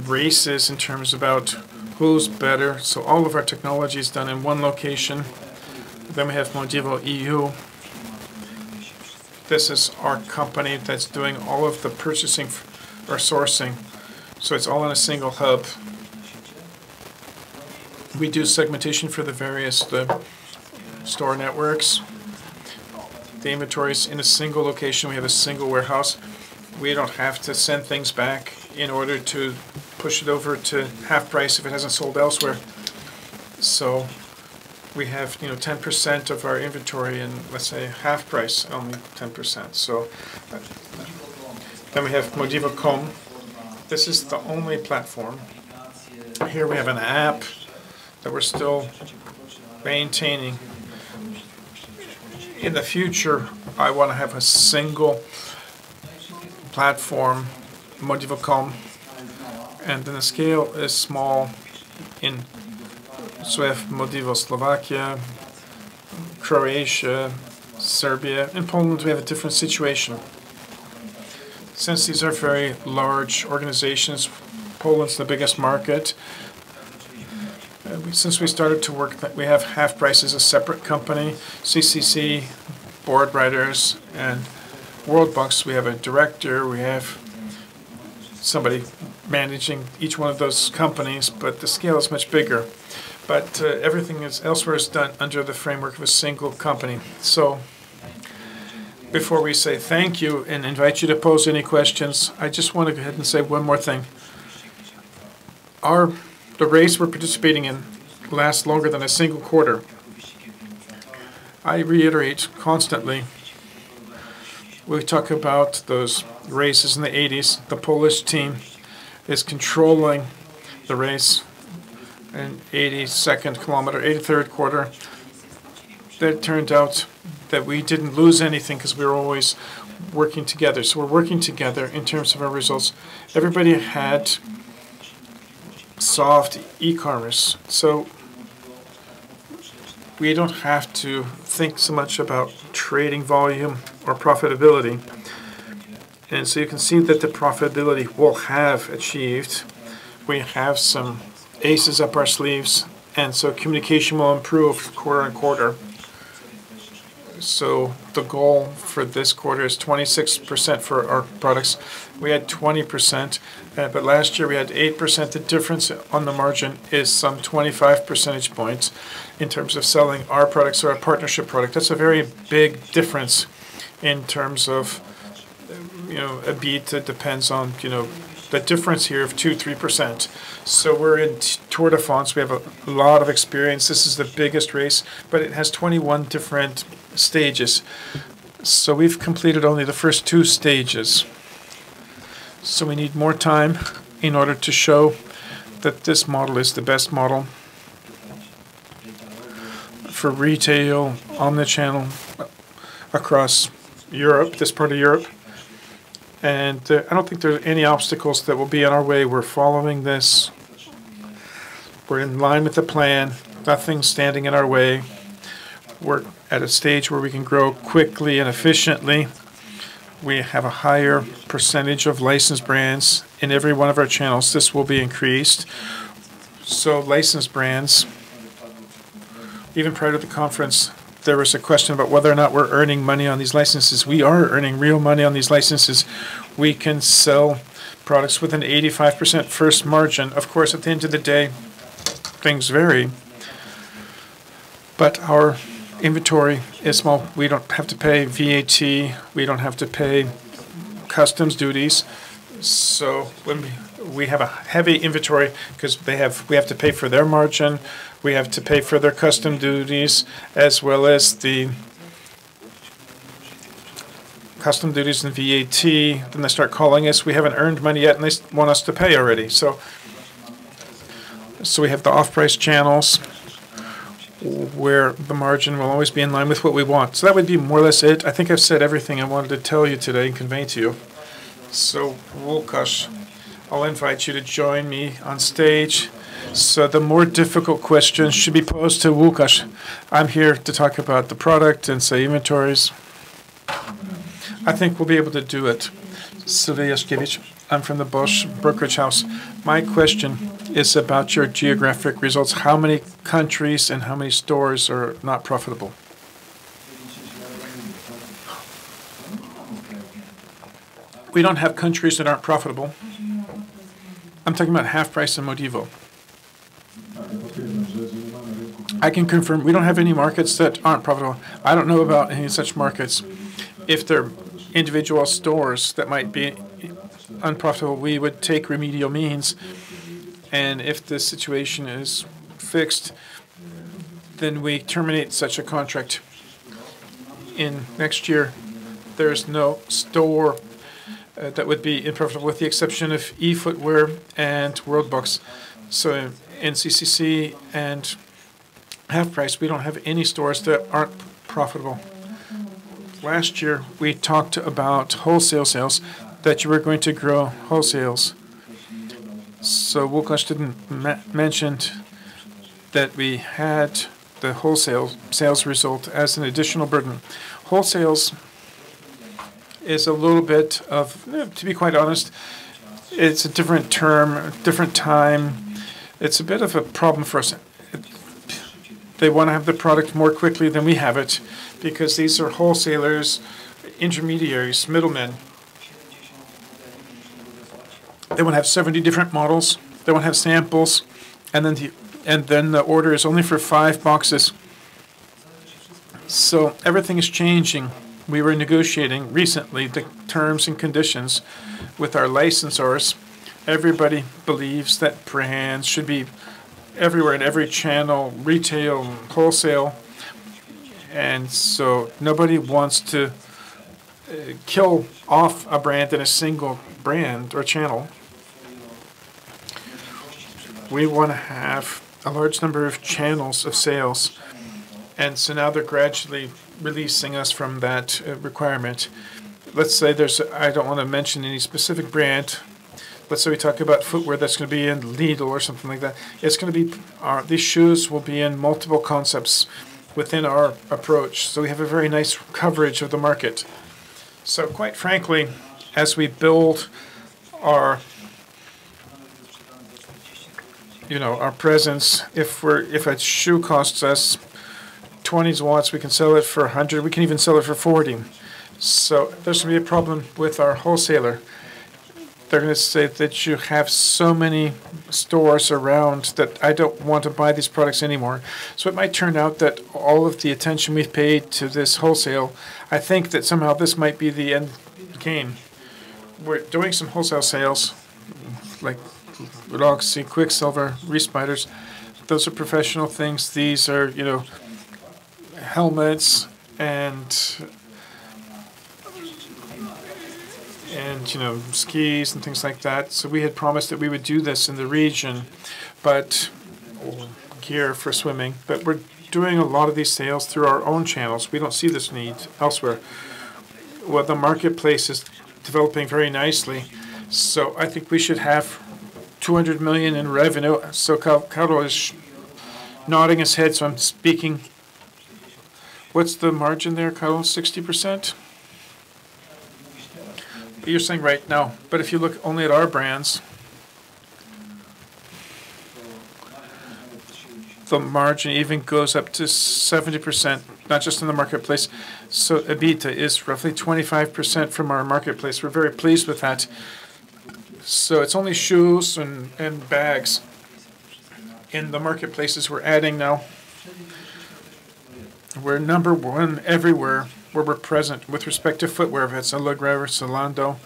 races in terms about who's better. All of our technology is done in one location. We have Modivo EU. This is our company that's doing all of the purchasing or sourcing. It's all in a single hub. We do segmentation for the various store networks. The inventory is in a single location. We have a single warehouse. We don't have to send things back in order to push it over to HalfPrice if it hasn't sold elsewhere. We have 10% of our inventory in, let's say, HalfPrice, only 10%. We have Modivo.com. This is the only platform. Here we have an app that we're still maintaining. In the future, I want to have a single platform, Modivo.com. Then the scale is small in so we have Modivo Slovakia, Croatia, Serbia. In Poland, we have a different situation. Since these are very large organizations, Poland is the biggest market. Since we started to work, we have HalfPrice as a separate company, CCC, Boardriders, and Worldbox. We have a director. We have somebody managing each one of those companies, but the scale is much bigger. Everything else where is done under the framework of a single company. Before we say thank you and invite you to pose any questions, I just want to go ahead and say one more thing. The race we're participating in lasts longer than a single quarter. I reiterate constantly, we talk about those races in the 1880s. The Polish team is controlling the race in 82nd kilometer, 83rd quarter. Turned out that we didn't lose anything because we were always working together. We're working together in terms of our results. Everybody had soft e-commerce, so we don't have to think so much about trading volume or profitability. You can see that the profitability will have achieved. We have some aces up our sleeves, and so communication will improve quarter on quarter. The goal for this quarter is 26% for our products. We had 20%, but last year we had 8%. The difference on the margin is some 25 percentage points in terms of selling our products or a partnership product. That's a very big difference in terms of a beat that depends on the difference here of 2%, 3%. We're in Tour de France. We have a lot of experience. This is the biggest race, but it has 21 different stages. We've completed only the first two stages. We need more time in order to show that this model is the best model for retail omnichannel across this part of Europe. I don't think there are any obstacles that will be in our way. We're following this. We're in line with the plan. Nothing's standing in our way. We're at a stage where we can grow quickly and efficiently. We have a higher % of licensed brands in every one of our channels. This will be increased. Licensed brands, even prior to the conference, there was a question about whether or not we're earning money on these licenses. We are earning real money on these licenses. We can sell products with an 85% first margin. Of course, at the end of the day, things vary. Our inventory is small. We don't have to pay VAT. We don't have to pay customs duties. When we have a heavy inventory, because we have to pay for their margin, we have to pay for their custom duties, as well as the custom duties and VAT, then they start calling us. We haven't earned money yet, and they want us to pay already. We have the off-price channels. Where the margin will always be in line with what we want. That would be more or less it. I think I've said everything I wanted to tell you today and convey to you. Łukasz, I'll invite you to join me on stage. The more difficult questions should be posed to Łukasz. I'm here to talk about the product and, say, inventories. I think we'll be able to do it. Sylwia Jaśkiewicz. I'm from the BOŚ brokerage house. My question is about your geographic results. How many countries and how many stores are not profitable? We don't have countries that aren't profitable. I'm talking about HalfPrice and Modivo. I can confirm we don't have any markets that aren't profitable. I don't know about any such markets. If there are individual stores that might be unprofitable, we would take remedial means, and if the situation is fixed, then we terminate such a contract. In next year, there's no store that would be unprofitable with the exception of eobuwie.pl and Worldbox. In CCC and HalfPrice, we don't have any stores that aren't profitable. Last year, we talked about wholesale sales, that you were going to grow wholesales. Łukasz didn't mention that we had the wholesale sales result as an additional burden. Wholesale is a little bit of, to be quite honest, it is a different term, a different time. It is a bit of a problem for us. They want to have the product more quickly than we have it, because these are wholesalers, intermediaries, middlemen. They want to have 70 different models. They want to have samples, the order is only for five boxes. Everything is changing. We were negotiating recently the terms and conditions with our licensors. Everybody believes that brands should be everywhere, in every channel, retail, wholesale. Nobody wants to kill off a brand in a single brand or channel. We want to have a large number of channels of sales, now they are gradually releasing us from that requirement. Let's say there's, I don't want to mention any specific brand, but we talk about footwear that's going to be in Lidl or something like that. These shoes will be in multiple concepts within our approach. We have a very nice coverage of the market. Quite frankly, as we build our presence, if a shoe costs us 20, we can sell it for 100. We can even sell it for 40. This will be a problem with our wholesaler. They're going to say that you have so many stores around that I don't want to buy these products anymore. It might turn out that all of the attention we've paid to this wholesale, I think that somehow this might be the end game. We're doing some wholesale sales, like Roxy, Quiksilver, Boardriders. Those are professional things. These are helmets and skis and things like that. We had promised that we would do this in the region, but gear for swimming. We're doing a lot of these sales through our own channels. We don't see this need elsewhere. The marketplace is developing very nicely. I think we should have 200 million in revenue. Karol is nodding his head. I'm speaking. What's the margin there, Karol, 60%? You're saying right now. If you look only at our brands, the margin even goes up to 70%, not just in the marketplace. EBITDA is roughly 25% from our marketplace. We're very pleased with that. It's only shoes and bags in the marketplaces we're adding now. We're number one everywhere where we're present with respect to footwear, whether it's Allegro or Zalando.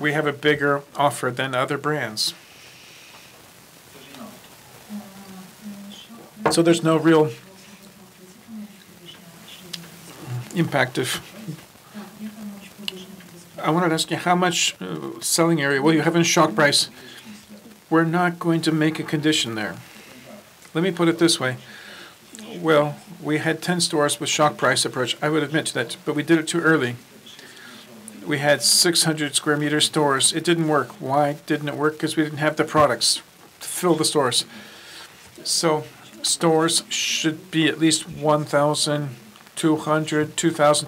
We have a bigger offer than other brands. There's no real impact. I wanted to ask you how much selling area will you have in Shock Price? We're not going to make a condition there. Let me put it this way. We had 10 stores with Shock Price approach. I would admit to that, but we did it too early. We had 600 sq m stores. It didn't work. Why didn't it work? We didn't have the products to fill the stores. Stores should be at least 1,200, 2,000,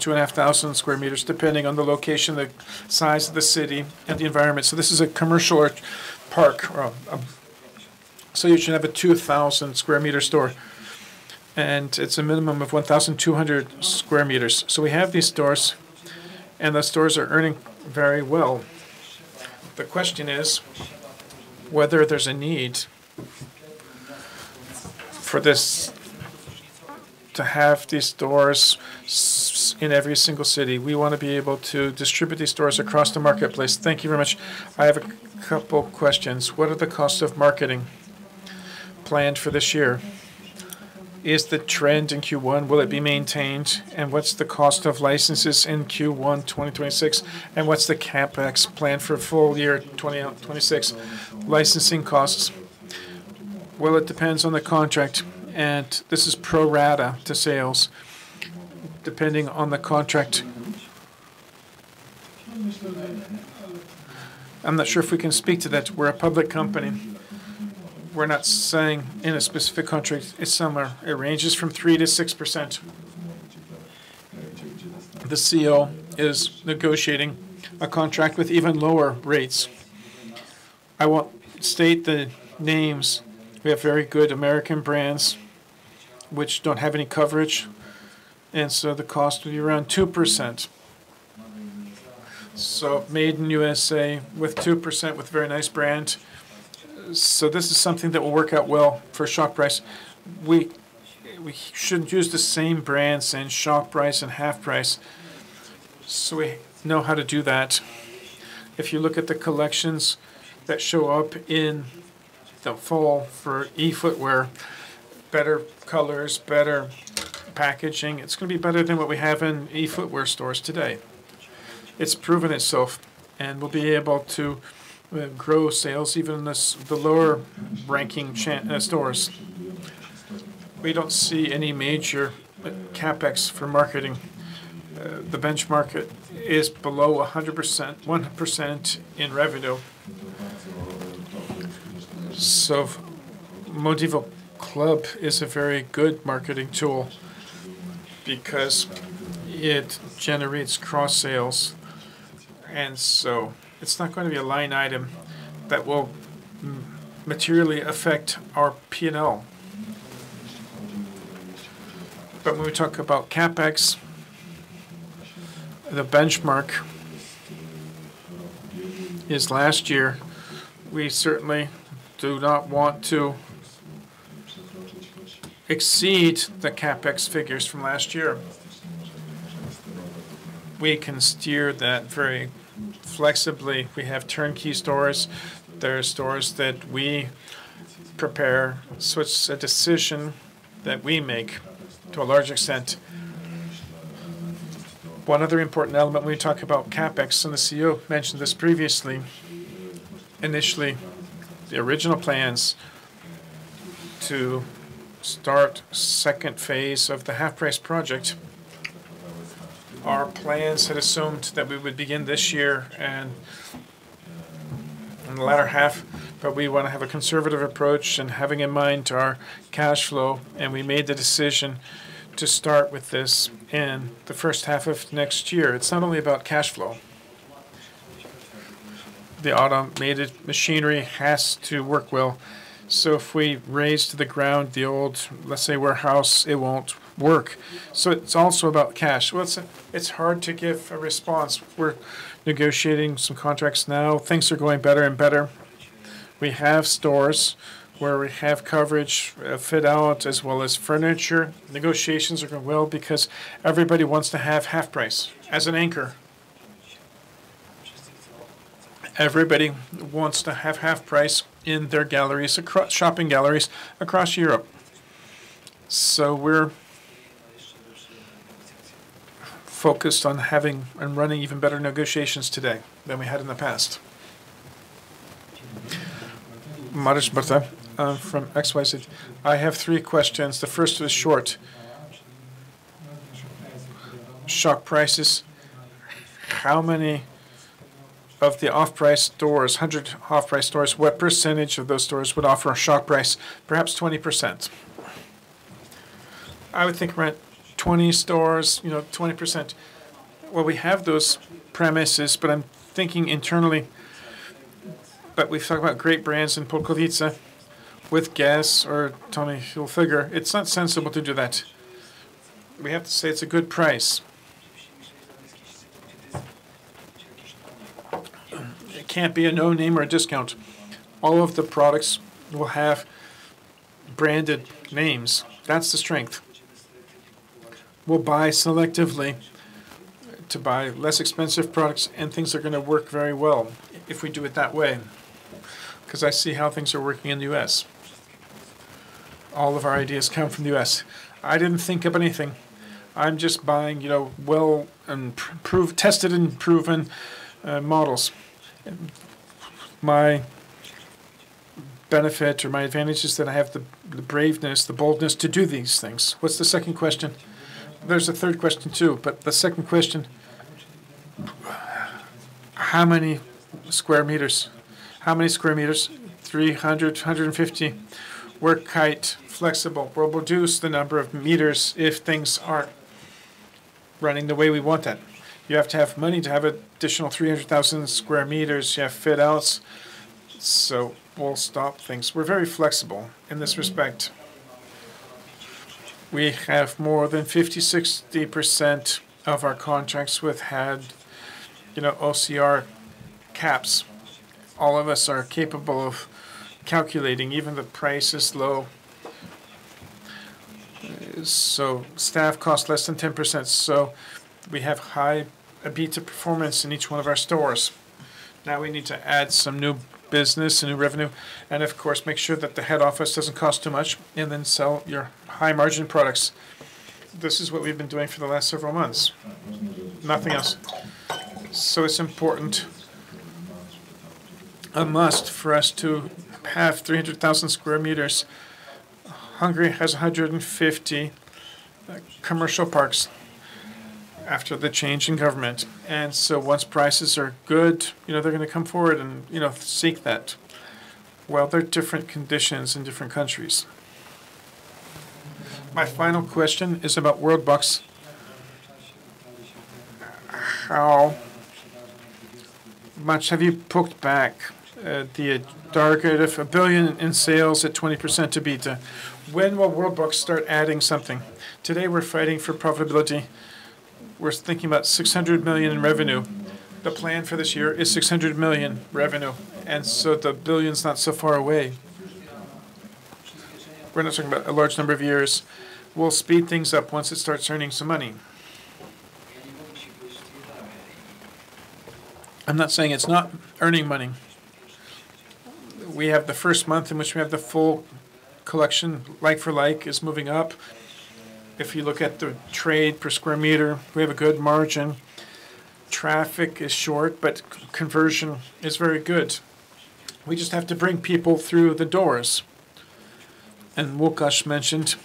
2,500 sq m, depending on the location, the size of the city, and the environment. This is a commercial park. You should have a 2,000 sq m store, and it's a minimum of 1,200 sq m. We have these stores, and the stores are earning very well. The question is whether there's a need for this to have these stores in every single city. We want to be able to distribute these stores across the marketplace. Thank you very much. I have a couple questions. What are the costs of marketing planned for this year? Is the trend in Q1, will it be maintained? What's the cost of licenses in Q1 2026, and what's the CapEx plan for full year 2026 licensing costs? Well, it depends on the contract, this is pro rata to sales, depending on the contract. I'm not sure if we can speak to that. We're a public company. We're not saying in a specific country. It's similar. It ranges from 3%-6%. The CEO is negotiating a contract with even lower rates. I won't state the names. We have very good American brands which don't have any coverage, and so the cost will be around 2%. Made in USA with 2% with very nice brand. This is something that will work out well for Shock Price. We should use the same brands and Shock Price and HalfPrice, so we know how to do that. If you look at the collections that show up in the fall for e-footwear, better colors, better packaging. It's going to be better than what we have in e-footwear stores today. It's proven itself, and we'll be able to grow sales even in the lower-ranking stores. We don't see any major CapEx for marketing. The benchmark is below 100%, 1% in revenue. MODIVOclub is a very good marketing tool because it generates cross-sales, it's not going to be a line item that will materially affect our P&L. When we talk about CapEx, the benchmark is last year. We certainly do not want to exceed the CapEx figures from last year. We can steer that very flexibly. We have turnkey stores. There are stores that we prepare. It's a decision that we make to a large extent. One other important element when we talk about CapEx, and the CEO mentioned this previously, initially, the original plans to start phase II of the HalfPrice project, our plans had assumed that we would begin this year and in the latter half, but we want to have a conservative approach and having in mind to our cash flow, and we made the decision to start with this in the H1 of next year. It's not only about cash flow. The automated machinery has to work well. If we raze to the ground the old, let's say, warehouse, it won't work. It's also about cash. Well, it's hard to give a response. We're negotiating some contracts now. Things are going better and better. We have stores where we have coverage fit out as well as furniture. Negotiations are going well because everybody wants to have HalfPrice as an anchor. Everybody wants to have HalfPrice in their shopping galleries across Europe. We're focused on having and running even better negotiations today than we had in the past. Mariusz Bartodziej from XYZ. I have three questions. The first is short. Shock Prices. How many of the off-price stores, 100 off-price stores, what percentage of those stores would offer a Shock Price? Perhaps 20%. I would think around 20 stores, 20%. Well, we have those premises, but I'm thinking internally. We've talked about great brands in Polkowice with Guess or Tommy Hilfiger. It's not sensible to do that. We have to say it's a good price. It can't be a no-name or a discount. All of the products will have branded names. That's the strength. We'll buy selectively to buy less expensive products, and things are going to work very well if we do it that way, because I see how things are working in the U.S. All of our ideas come from the U.S. I didn't think of anything. I'm just buying tested and proven models. My benefit or my advantage is that I have the braveness, the boldness to do these things. What's the second question? There's a third question, too, but the second question, how many sq m? How many sq m? 300, 150. We're quite flexible. We'll reduce the number of meters if things aren't running the way we wanted. You have to have money to have additional 300,000 sq m. You have fit outs. We'll stop things. We're very flexible in this respect. We have more than 50%, 60% of our contracts with had OCR CAPs. All of us are capable of calculating. Even the price is low. Staff cost less than 10%. We have high EBITDA performance in each one of our stores. We need to add some new business, new revenue, and of course, make sure that the head office doesn't cost too much, and then sell your high-margin products. This is what we've been doing for the last several months. Nothing else. It's important, a must for us to have 300,000 sq m. Hungary has 150 commercial parks after the change in government. Once prices are good, they're going to come forward and seek that. There are different conditions in different countries. My final question is about Worldbox. How much have you poked back at the target of 1 billion in sales at 20% EBITDA? When will Worldbox start adding something? Today, we're fighting for profitability. We're thinking about 600 million in revenue. The plan for this year is 600 million revenue, the 1 billion is not so far away. We're not talking about a large number of years. We'll speed things up once it starts earning some money. I'm not saying it's not earning money. We have the 1st month in which we have the full collection, like-for-like, is moving up. If you look at the trade per square meter, we have a good margin. Traffic is short, but conversion is very good. We just have to bring people through the doors. Łukasz mentioned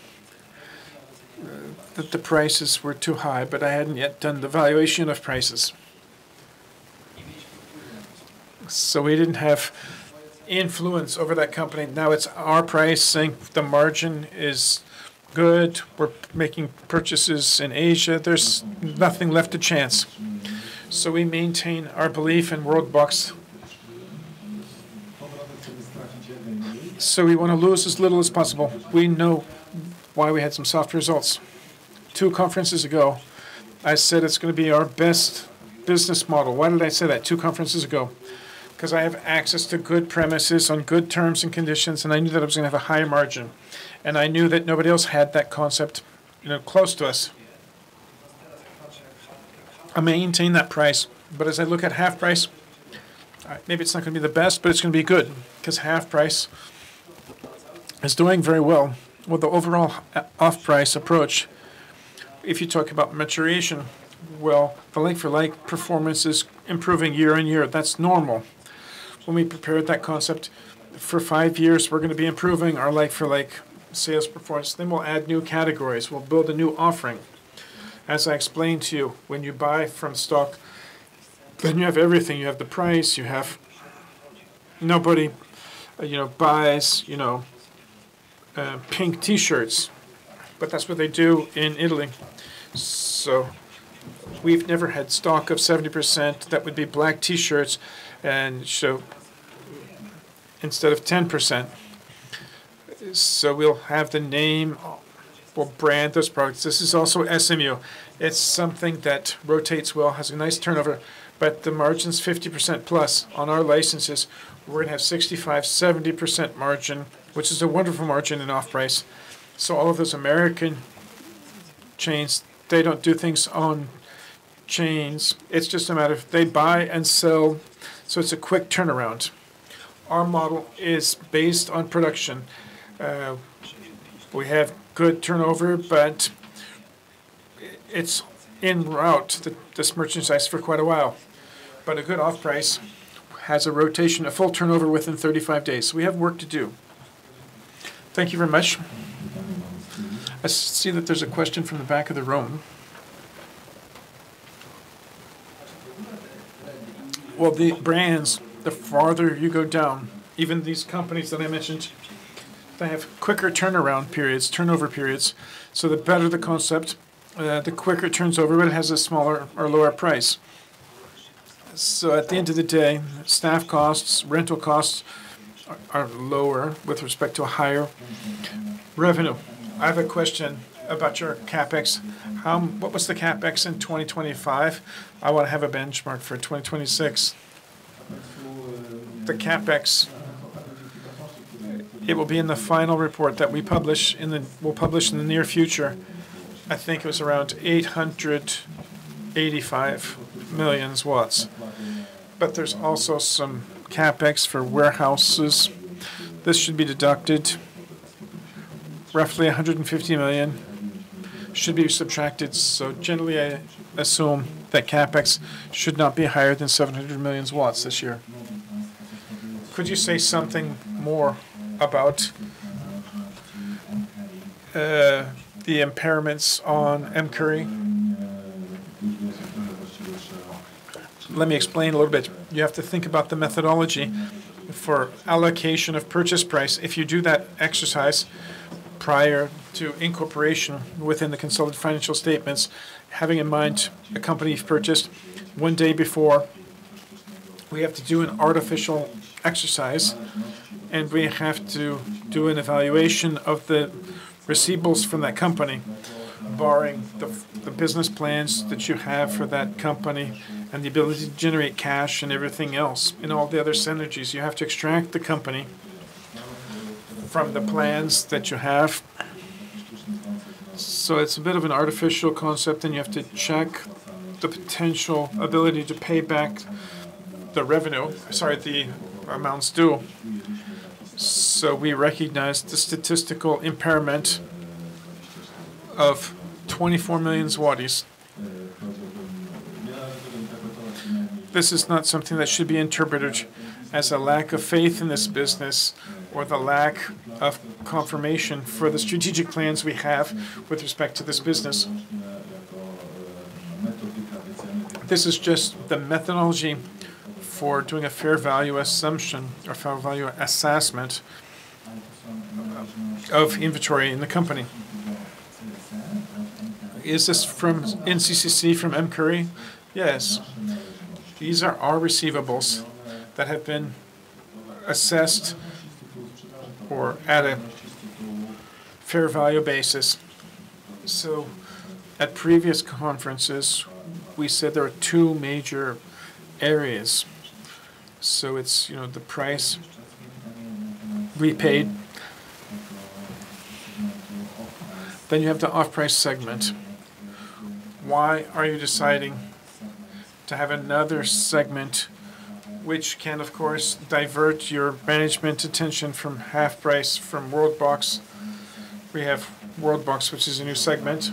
that the prices were too high, but I hadn't yet done the valuation of prices. We didn't have influence over that company. Now it's our pricing. The margin is good. We're making purchases in Asia. There's nothing left to chance. We maintain our belief in Worldbox. We want to lose as little as possible. We know why we had some soft results. Two conferences ago, I said it's going to be our best business model. Why did I say that two conferences ago? Because I have access to good premises on good terms and conditions, and I knew that I was going to have a higher margin, and I knew that nobody else had that concept close to us. I maintain that price, but as I look at HalfPrice, maybe it's not going to be the best, but it's going to be good because HalfPrice is doing very well with the overall off-price approach. If you talk about maturation, well, the like-for-like performance is improving year on year. That's normal. When we prepared that concept, for five years, we're going to be improving our like-for-like sales performance. We'll add new categories. We'll build a new offering. As I explained to you, when you buy from stock, then you have everything. You have the price. Nobody buys pink T-shirts, but that's what they do in Italy. We've never had stock of 70%, that would be black T-shirts, and so instead of 10%. We'll have the name. We'll brand those products. This is also SMU. It's something that rotates well, has a nice turnover, but the margin's 50%-plus on our licenses. We're going to have 65%, 70% margin, which is a wonderful margin in off-price. All of those American chains, they don't do things on chains. It's just a matter of they buy and sell, so it's a quick turnaround. Our model is based on production. We have good turnover, it's en route, this merchandise for quite a while. A good off-price has a rotation, a full turnover within 35 days. We have work to do. Thank you very much. I see that there's a question from the back of the room. Well, the brands, the farther you go down, even these companies that I mentioned, they have quicker turnaround periods, turnover periods. The better the concept, the quicker it turns over, it has a smaller or lower price. At the end of the day, staff costs, rental costs are lower with respect to a higher revenue. I have a question about your CapEx. What was the CapEx in 2025? I want to have a benchmark for 2026. The CapEx, it will be in the final report that we'll publish in the near future. I think it was around 885 million. There's also some CapEx for warehouses. This should be deducted. Roughly 150 million should be subtracted. Generally, I assume that CapEx should not be higher than 700 million this year. Could you say something more about the impairments on [Mcurry]? Let me explain a little bit. You have to think about the methodology for allocation of purchase price. If you do that exercise prior to incorporation within the consolidated financial statements, having in mind a company purchased one day before, we have to do an artificial exercise, and we have to do an evaluation of the receivables from that company, barring the business plans that you have for that company and the ability to generate cash and everything else and all the other synergies. You have to extract the company from the plans that you have. It's a bit of an artificial concept, and you have to check the potential ability to pay back the revenue, sorry, the amounts due. We recognized the statistical impairment of 24 million zlotys. This is not something that should be interpreted as a lack of faith in this business or the lack of confirmation for the strategic plans we have with respect to this business. This is just the methodology for doing a fair value assumption or fair value assessment of inventory in the company. Is this from CCC, from [MCurry]? Yes. These are our receivables that have been assessed or at a fair value basis. At previous conferences, we said there are two major areas. It's the price repaid. You have the off-price segment. Why are you deciding to have another segment which can, of course, divert your management attention from HalfPrice from Worldbox? We have Worldbox, which is a new segment.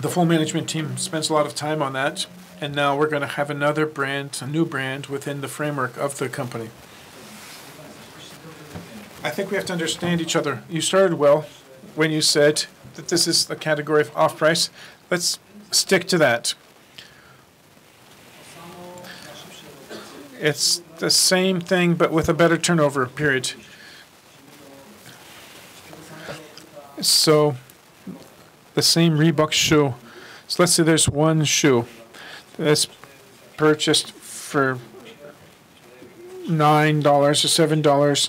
The full management team spends a lot of time on that. Now we're going to have another brand, a new brand within the framework of the company. I think we have to understand each other. You started well when you said that this is the category of off-price. Let's stick to that. It's the same thing. With a better turnover period. The same Reebok shoe. Let's say there's one shoe that's purchased for $9 or $7.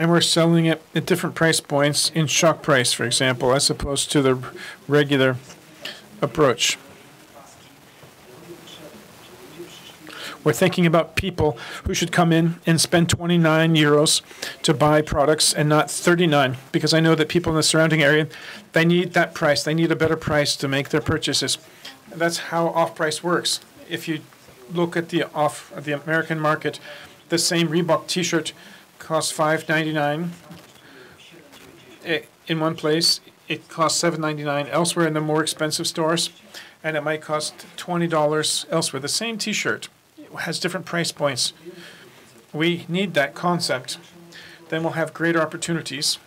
We're selling it at different price points in Shock Price, for example, as opposed to the regular approach. We're thinking about people who should come in and spend 29 euros to buy products and not 39, because I know that people in the surrounding area, they need that price. They need a better price to make their purchases. That's how off-price works. If you look at the American market, the same Reebok T-shirt costs $5.99 in one place, it costs $7.99 elsewhere in the more expensive stores, and it might cost $20 elsewhere. The same T-shirt has different price points. We need that concept, then we'll have greater opportunities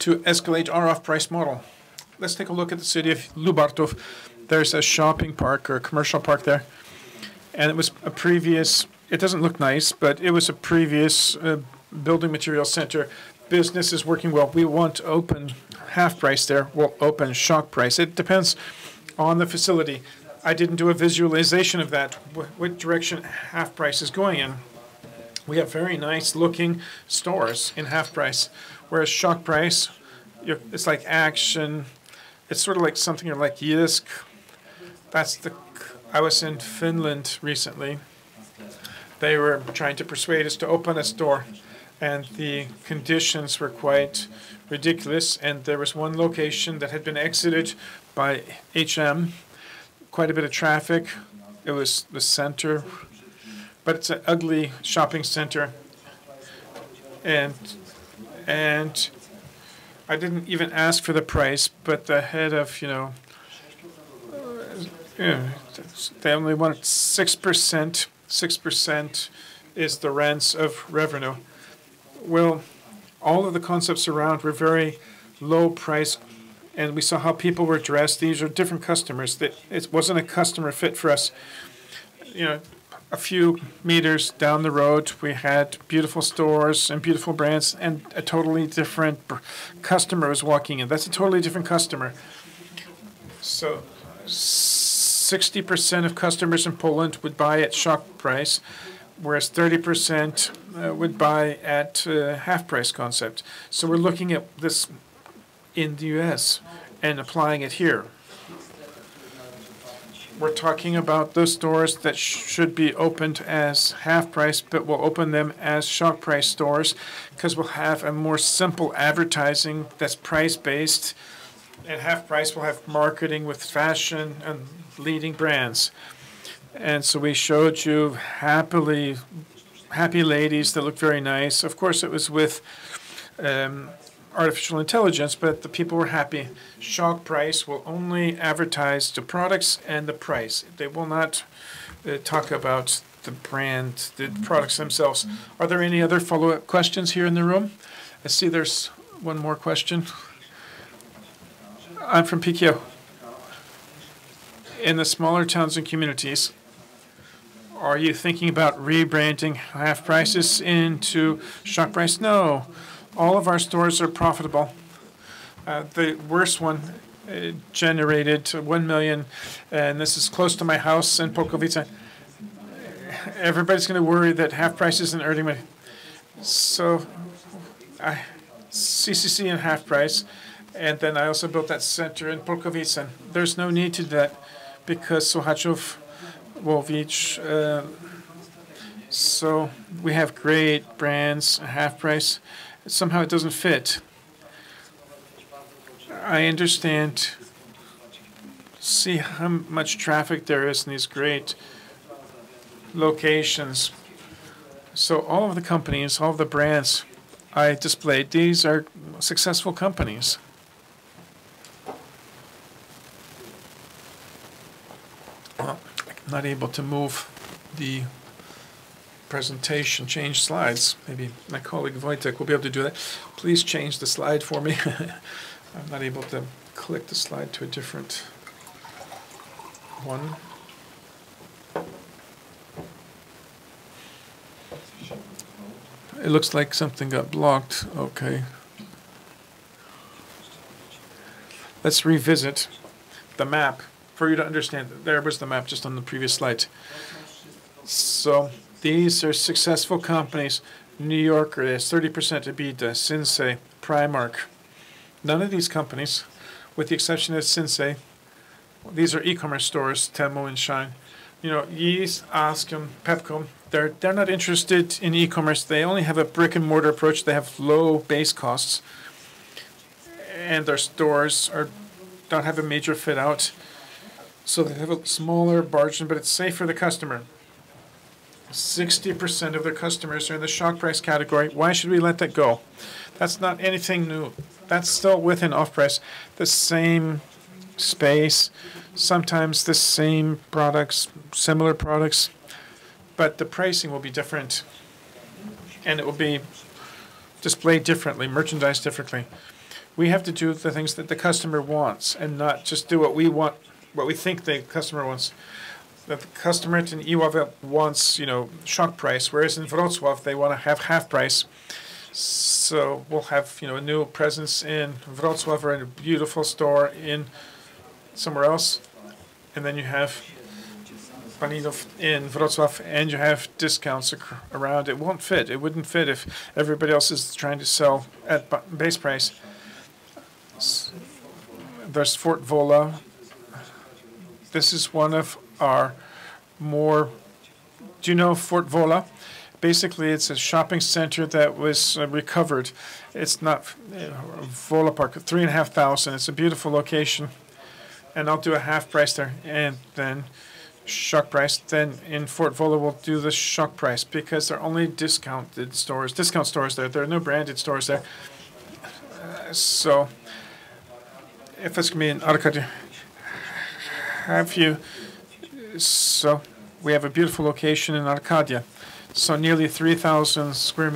to escalate our off-price model. Let's take a look at the city of Lubartów. There's a shopping park or a commercial park there, and it was a previous, it doesn't look nice, but it was a previous building material center. Business is working well. We want to open HalfPrice there. We'll open Shock Price. It depends on the facility. I didn't do a visualization of that, what direction HalfPrice is going in. We have very nice-looking stores in HalfPrice, whereas Shock Price, it's like Action. It's sort of something like JYSK. I was in Finland recently. They were trying to persuade us to open a store, and the conditions were quite ridiculous, and there was one location that had been exited by H&M. Quite a bit of traffic. It was the center, but it's an ugly shopping center. I didn't even ask for the price, but the head of, they only wanted 6%. 6% is the rents of revenue. All of the concepts around were very low price, and we saw how people were dressed. These are different customers. It wasn't a customer fit for us. A few meters down the road, we had beautiful stores and beautiful brands and a totally different customer was walking in. That's a totally different customer. 60% of customers in Poland would buy at Shock Price, whereas 30% would buy at HalfPrice concept. We're looking at this in the U.S. and applying it here. We're talking about those stores that should be opened as HalfPrice, but we'll open them as Shock Price stores because we'll have a more simple advertising that's price-based, and HalfPrice will have marketing with fashion and leading brands. We showed you happy ladies that look very nice. Of course, it was with artificial intelligence, but the people were happy. Shock Price will only advertise the products and the price. They will not talk about the brand, the products themselves. Are there any other follow-up questions here in the room? I see there's one more question. I'm from PKO. In the smaller towns and communities, are you thinking about rebranding HalfPrice into Shock Price? No. All of our stores are profitable. The worst one generated 1 million, and this is close to my house in Polkowice. Everybody's going to worry that HalfPrice isn't earning money. CCC and HalfPrice, and then I also built that center in Polkowice. There's no need to that because Sochaczew, Wołomin. We have great brands, a HalfPrice. Somehow it doesn't fit. I understand. See how much traffic there is in these great locations. All of the companies, all of the brands I displayed, these are successful companies. I'm not able to move the presentation, change slides. Maybe my colleague, Wojciech, will be able to do that. Please change the slide for me. I'm not able to click the slide to a different one. It looks like something got blocked. Okay. Let's revisit the map for you to understand. There was the map just on the previous slide. These are successful companies. New Yorker has 30% EBITDA, Sinsay, Primark. None of these companies, with the exception of Sinsay, these are e-commerce stores, Temu and Shein. Action and Pepco, they're not interested in e-commerce. They only have a brick-and-mortar approach. They have low base costs, and their stores don't have a major fit-out. They have a smaller margin, but it's safe for the customer. 60% of the customers are in the Shock Price category. Why should we let that go? That's not anything new. That's still within off-price. The same space, sometimes the same products, similar products, but the pricing will be different, and it will be displayed differently, merchandised differently. We have to do the things that the customer wants and not just do what we want, what we think the customer wants. The customer in Iława wants Shock Price, whereas in Wrocław, they want to have HalfPrice. We'll have a new presence in Wrocław and a beautiful store in somewhere else. Then you have Marino in Wrocław, and you have discounts around. It won't fit. It wouldn't fit if everybody else is trying to sell at base price. There's Fort Wola. Do you know Fort Wola? Basically, it's a shopping center that was recovered. Wola Park, at 3,500. It's a beautiful location, and I'll do a HalfPrice there. Then Shock Price, then in Fort Wola, we'll do the Shock Price because they're only discount stores there. There are no branded stores there. If it's going to be in Arkadia. We have a beautiful location in Arkadia, nearly 3,000 sq m.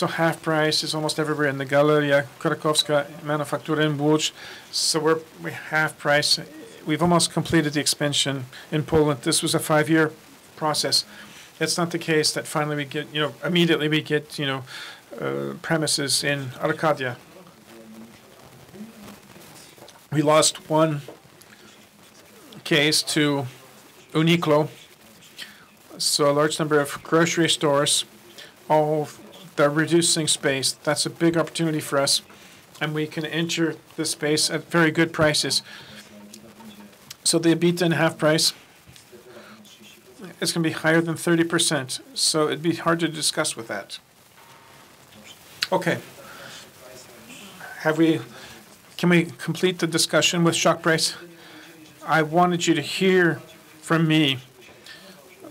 HalfPrice is almost everywhere in the Galeria Krakowska, Manufaktura in Łódź. We are HalfPrice. We've almost completed the expansion in Poland. This was a five-year process. That's not the case that immediately we get premises in Arkadia. We lost one case to Uniqlo. A large number of grocery stores, all of they're reducing space. That's a big opportunity for us, and we can enter the space at very good prices. The EBITDA in HalfPrice is going to be higher than 30%, so it'd be hard to discuss with that. Okay. Can we complete the discussion with Shock Price? I wanted you to hear from me.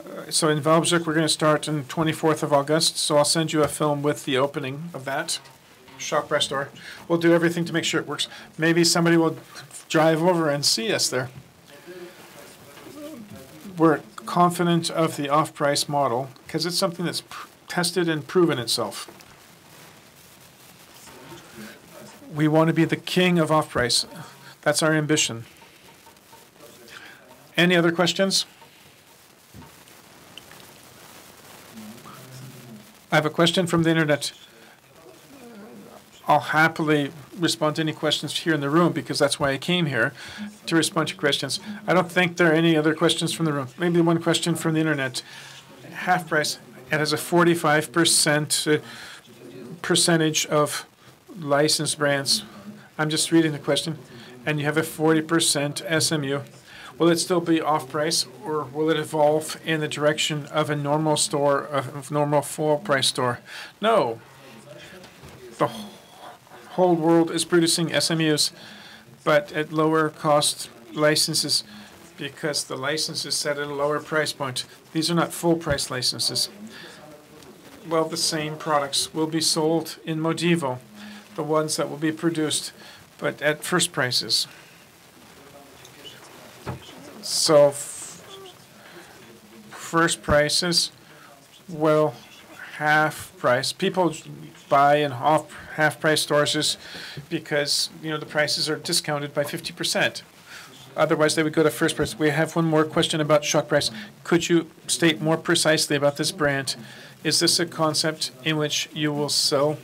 In Wałbrzych, we're going to start on 24th of August. I'll send you a film with the opening of that Shock Price store. We'll do everything to make sure it works. Maybe somebody will drive over and see us there. We're confident of the off-price model because it's something that's tested and proven itself. We want to be the king of off-price. That's our ambition. Any other questions? I have a question from the internet. I'll happily respond to any questions here in the room because that's why I came here, to respond to questions. I don't think there are any other questions from the room. Maybe one question from the internet. HalfPrice has a 45% percentage of licensed brands. I'm just reading the question. You have a 40% SMU. Will it still be off-price, or will it evolve in the direction of a normal store, of normal full-price store? No. The whole world is producing SMUs, but at lower cost licenses because the license is set at a lower price point. These are not full price licenses. Well, the same products will be sold in Modivo, the ones that will be produced, but at first prices. First prices, well, HalfPrice. People buy in HalfPrice stores is because the prices are discounted by 50%. Otherwise, they would go to first price. We have one more question about Shock Price. Could you state more precisely about this brand? Is this a concept in which you will sell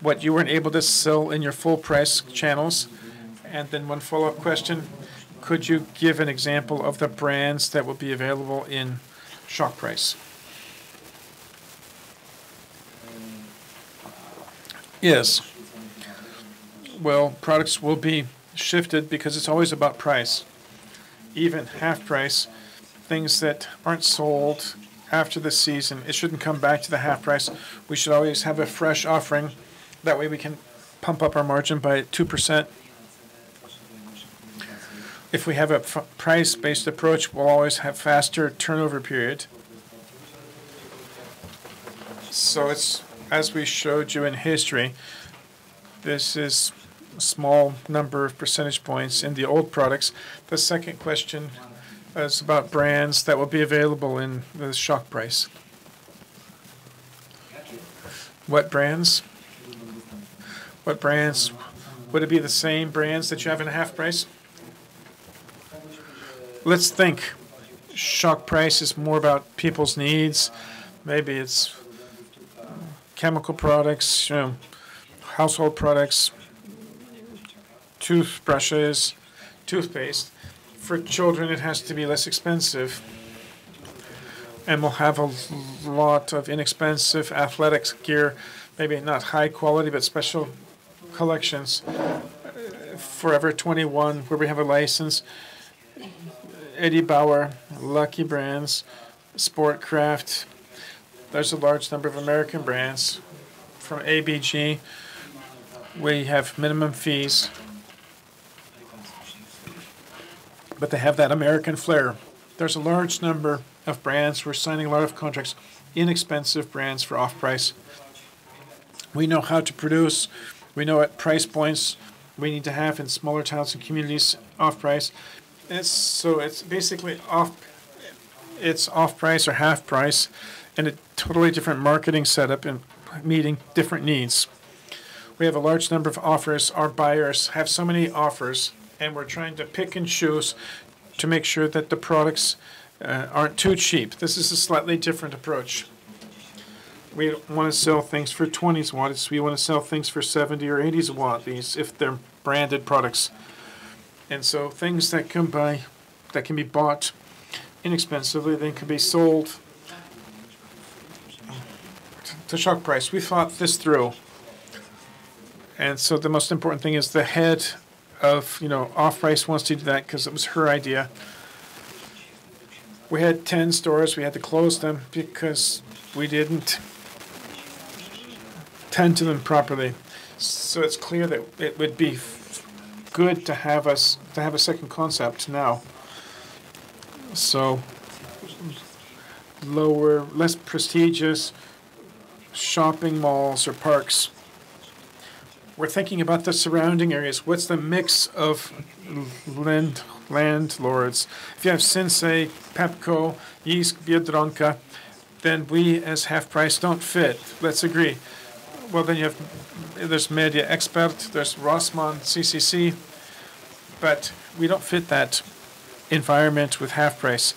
what you weren't able to sell in your full price channels? Then one follow-up question, could you give an example of the brands that will be available in Shock Price? Yes. Well, products will be shifted because it's always about price. Even HalfPrice, things that aren't sold after the season, it shouldn't come back to the HalfPrice. We should always have a fresh offering. That way, we can pump up our margin by 2%. If we have a price-based approach, we'll always have faster turnover period. As we showed you in history, this is a small number of percentage points in the old products. The second question is about brands that will be available in the Shock Price. What brands? Would it be the same brands that you have in HalfPrice? Let's think. Shock Price is more about people's needs. Maybe it's chemical products, household products, toothbrushes, toothpaste. For children, it has to be less expensive, and we'll have a lot of inexpensive athletics gear, maybe not high quality, but special collections. Forever 21, where we have a license, Eddie Bauer, Lucky Brand, Sportcraft. There's a large number of American brands. From ABG, we have minimum fees, but they have that American flair. There's a large number of brands. We're signing a lot of contracts, inexpensive brands for off-price. We know how to produce, we know what price points we need to have in smaller towns and communities, off-price. It's basically off-price or HalfPrice, and a totally different marketing setup and meeting different needs. We have a large number of offers. Our buyers have so many offers, we're trying to pick and choose to make sure that the products aren't too cheap. This is a slightly different approach. We want to sell things for 20. We want to sell things for 70 or 80 if they're branded products. Things that can be bought inexpensively, then could be sold to Shock Price. We thought this through. The most important thing is the head of off-price wants to do that because it was her idea. We had 10 stores. We had to close them because we didn't tend to them properly. It's clear that it would be good to have a second concept now. Lower, less prestigious shopping malls or parks. We're thinking about the surrounding areas. What's the mix of landlords? If you have Sinsay, Pepco, JYSK, Biedronka, then we, as HalfPrice, don't fit. Let's agree. Well, you have, there's Media Expert, there's Rossmann, CCC, but we don't fit that environment with HalfPrice.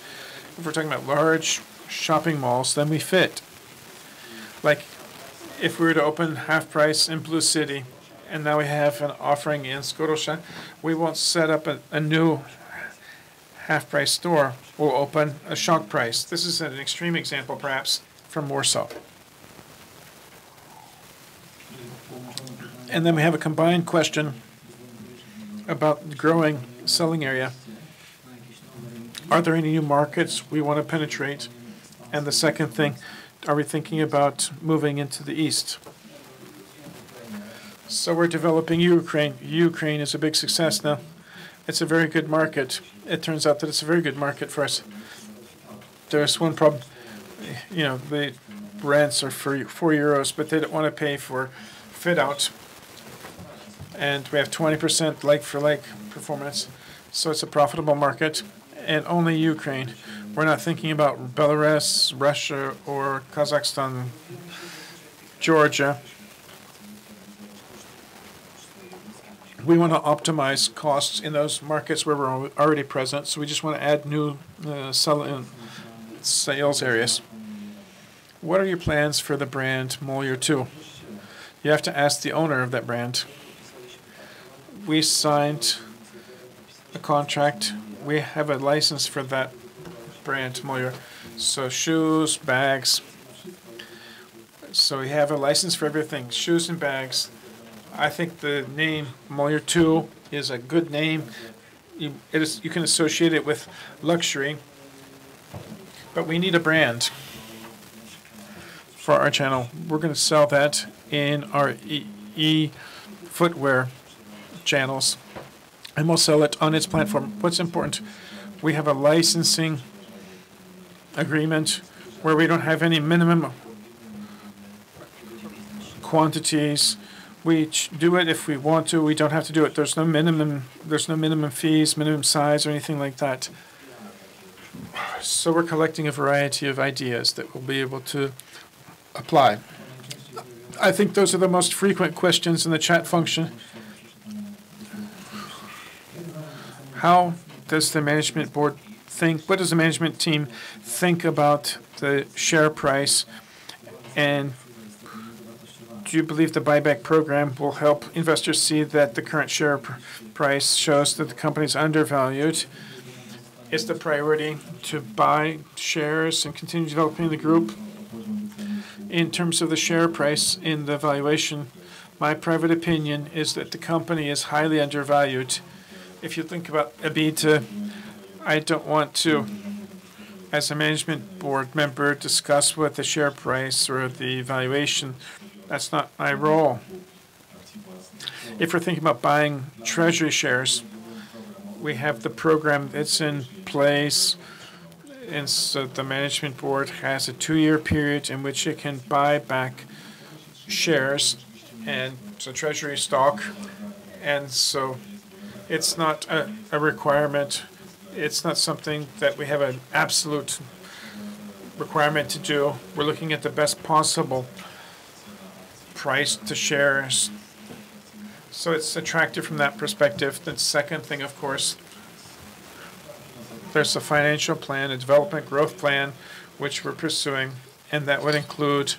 If we're talking about large shopping malls, then we fit. If we were to open HalfPrice in Blue City, now we have an offering in Skorosze, we won't set up a new HalfPrice store. We'll open a Shock Price. This is an extreme example, perhaps, from Warsaw. We have a combined question about growing selling area. Are there any new markets we want to penetrate? The second thing, are we thinking about moving into the East? We're developing Ukraine. Ukraine is a big success now. It's a very good market. It turns out that it's a very good market for us. There is one problem. The rents are €4, but they don't want to pay for fit-out, and we have 20% like-for-like performance, so it's a profitable market. Only Ukraine. We're not thinking about Belarus, Russia, or Kazakhstan, Georgia. We want to optimize costs in those markets where we're already present. We just want to add new sales areas. What are your plans for the brand [Modivo two]? You have to ask the owner of that brand. We signed a contract. We have a license for that brand, Modivo. Shoes, bags. We have a license for everything, shoes and bags. I think the name [Modivo two] is a good name. You can associate it with luxury, but we need a brand for our channel. We're going to sell that in our e-footwear channels, and we'll sell it on its platform. What's important, we have a licensing agreement where we don't have any minimum quantities. We do it if we want to. We don't have to do it. There's no minimum fees, minimum size, or anything like that. We're collecting a variety of ideas that we'll be able to apply. I think those are the most frequent questions in the chat function. How does the management board think, what does the management team think about the share price? Do you believe the buyback program will help investors see that the current share price shows that the company is undervalued? Is the priority to buy shares and continue developing the group? In terms of the share price and the valuation, my private opinion is that the company is highly undervalued. If you think about EBITDA, I don't want to, as a management board member, discuss what the share price or the valuation. That's not my role. If we're thinking about buying treasury shares, we have the program, it's in place. The management board has a two-year period in which it can buy back shares and some treasury stock. It's not a requirement. It's not something that we have an absolute requirement to do. We're looking at the best possible price to shares. It's attractive from that perspective. The second thing, of course, there's the financial plan, a development growth plan, which we're pursuing, and that would include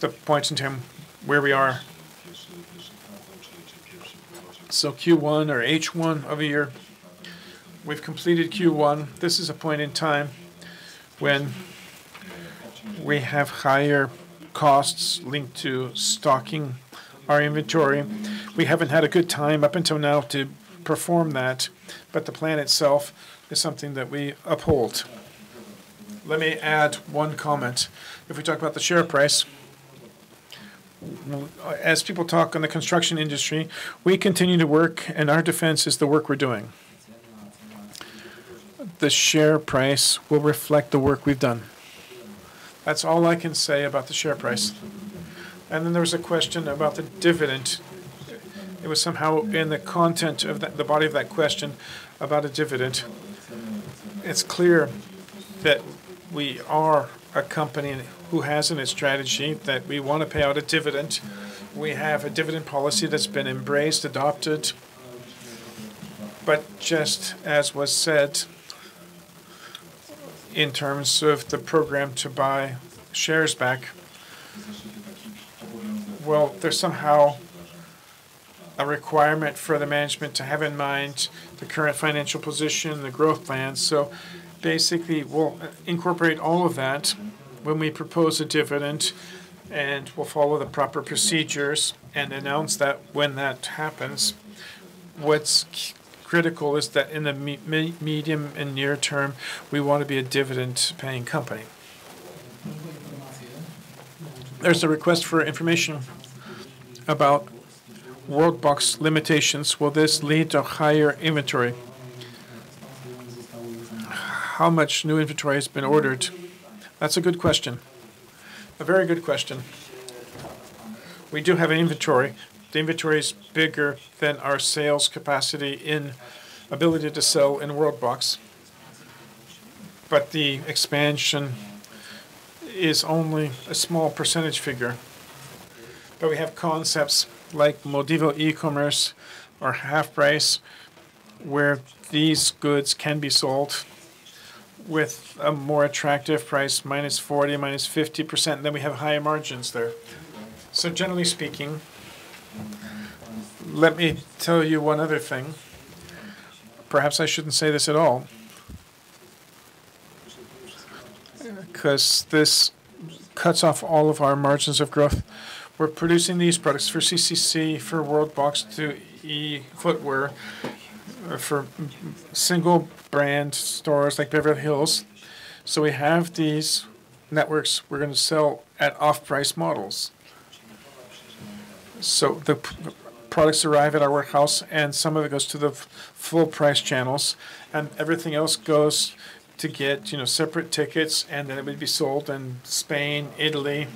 the point in time where we are. Q1 or H1 of a year. We've completed Q1. This is a point in time when we have higher costs linked to stocking our inventory. We haven't had a good time up until now to perform that, but the plan itself is something that we uphold. Let me add one comment. If we talk about the share price, as people talk in the construction industry, we continue to work and our defense is the work we're doing. The share price will reflect the work we've done. That's all I can say about the share price. Then there was a question about the dividend. It was somehow in the content of the body of that question about a dividend. It's clear that we are a company who has in its strategy that we want to pay out a dividend. We have a dividend policy that's been embraced, adopted, just as was said, in terms of the program to buy shares back, well, there's somehow a requirement for the management to have in mind the current financial position, the growth plan. Basically, we'll incorporate all of that when we propose a dividend, and we'll follow the proper procedures and announce that when that happens. What's critical is that in the medium and near term, we want to be a dividend-paying company. There's a request for information about Worldbox limitations. Will this lead to higher inventory? How much new inventory has been ordered? That's a good question. A very good question. We do have inventory. The inventory is bigger than our sales capacity in ability to sell in Worldbox. The expansion is only a small percentage figure. We have concepts like Modivo e-commerce or HalfPrice, where these goods can be sold with a more attractive price, minus 40%, minus 50%, we have higher margins there. Generally speaking, let me tell you one other thing. Perhaps I shouldn't say this at all, because this cuts off all of our margins of growth. We're producing these products for CCC, for Worldbox, to eobuwie.pl, for single-brand stores like Beverly Hills. We have these networks we're going to sell at off-price models. The products arrive at our warehouse, and some of it goes to the full-price channels, and everything else goes to get separate tickets, and then it will be sold in Spain, Italy,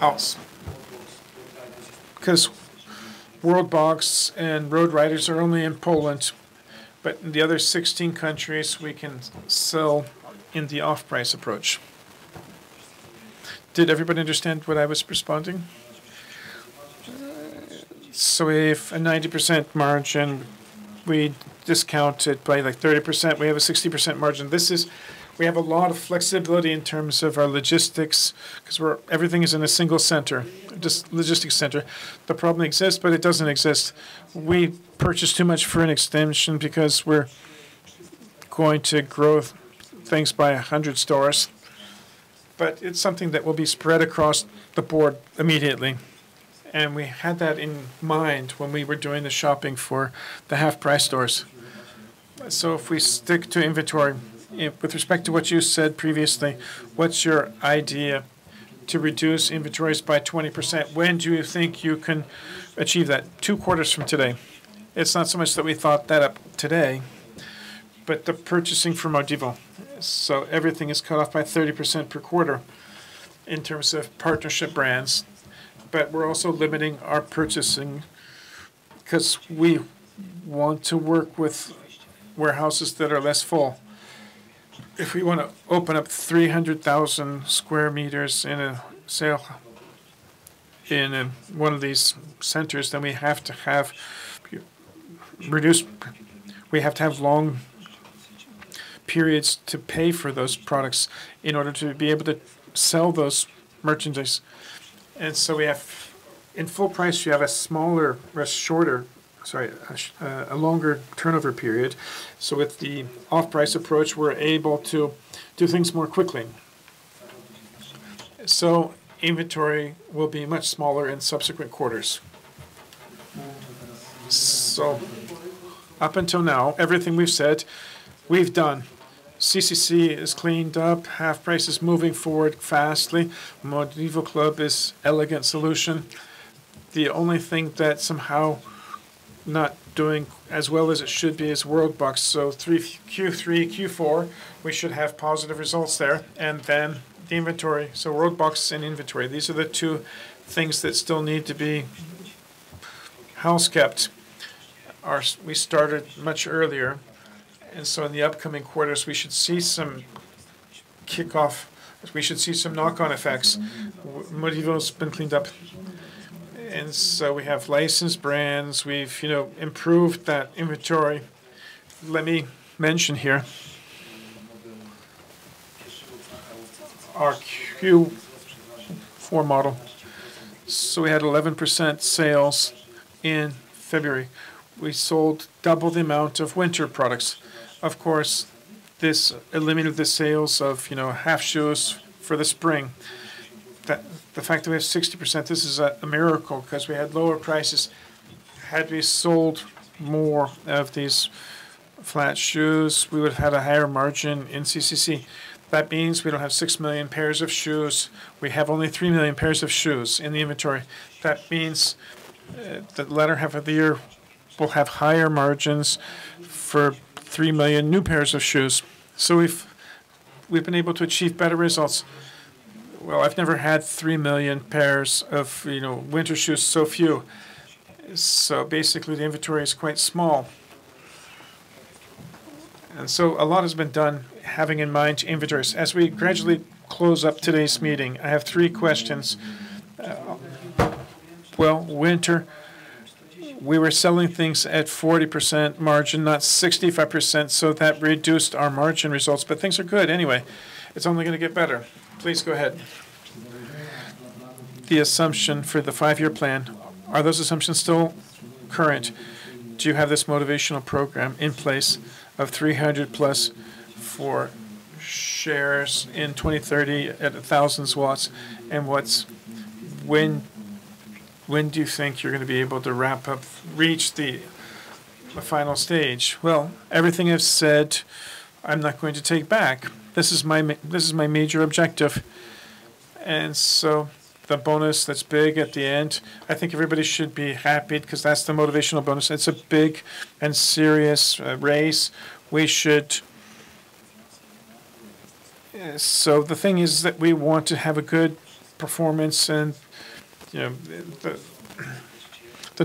else. Worldbox and Boardriders are only in Poland, but in the other 16 countries, we can sell in the off-price approach. Did everybody understand what I was responding? We have a 90% margin. We discount it by 30%. We have a 60% margin. We have a lot of flexibility in terms of our logistics because everything is in a single center, logistics center. The problem exists, but it doesn't exist. We purchase too much for an extension because we're going to grow things by 100 stores. It's something that will be spread across the board immediately. We had that in mind when we were doing the shopping for the HalfPrice stores. If we stick to inventory, with respect to what you said previously, what's your idea to reduce inventories by 20%? When do you think you can achieve that? 2Q from today. It's not so much that we thought that up today, but the purchasing for Modivo. Everything is cut off by 30% per quarter in terms of partnership brands. We're also limiting our purchasing because we want to work with warehouses that are less full. If we want to open up 300,000 sq m in one of these centers, then we have to have long periods to pay for those products in order to be able to sell that merchandise. In full price, you have a longer turnover period. With the off-price approach, we're able to do things more quickly. Inventory will be much smaller in subsequent quarters. Up until now, everything we've said, we've done. CCC is cleaned up, HalfPrice is moving forward fastly. MODIVOclub is elegant solution. The only thing that's somehow not doing as well as it should be is Worldbox. Q3, Q4, we should have positive results there. The inventory, Worldbox and inventory. These are the two things that still need to be housekept. We started much earlier, in the upcoming quarters, we should see some kickoff. We should see some knock-on effects. Modivo's been cleaned up, we have licensed brands. We've improved that inventory. Let me mention here our Q4 model. We had 11% sales in February. We sold double the amount of winter products. Of course, this eliminated the sales of half shoes for the spring. The fact that we have 60%, this is a miracle because we had lower prices. Had we sold more of these flat shoes, we would have a higher margin in CCC. That means we don't have 6 million pairs of shoes. We have only 3 million pairs of shoes in the inventory. That means the latter half of the year, we'll have higher margins for 3 million new pairs of shoes. We've been able to achieve better results. Well, I've never had 3 million pairs of winter shoes, so few. Basically, the inventory is quite small. A lot has been done having in mind inventories. As we gradually close up today's meeting, I have three questions. Well, winter, we were selling things at 40% margin, not 65%, so that reduced our margin results, but things are good anyway. It's only going to get better. Please go ahead. The assumption for the five-year plan, are those assumptions still current? Do you have this motivational program in place of 300+ for shares in 2030 at 1,000? When do you think you're going to be able to wrap up, reach the final stage? Well, everything I've said, I'm not going to take back. This is my major objective. The bonus that's big at the end, I think everybody should be happy because that's the motivational bonus. It's a big and serious race. The thing is that we want to have a good performance in the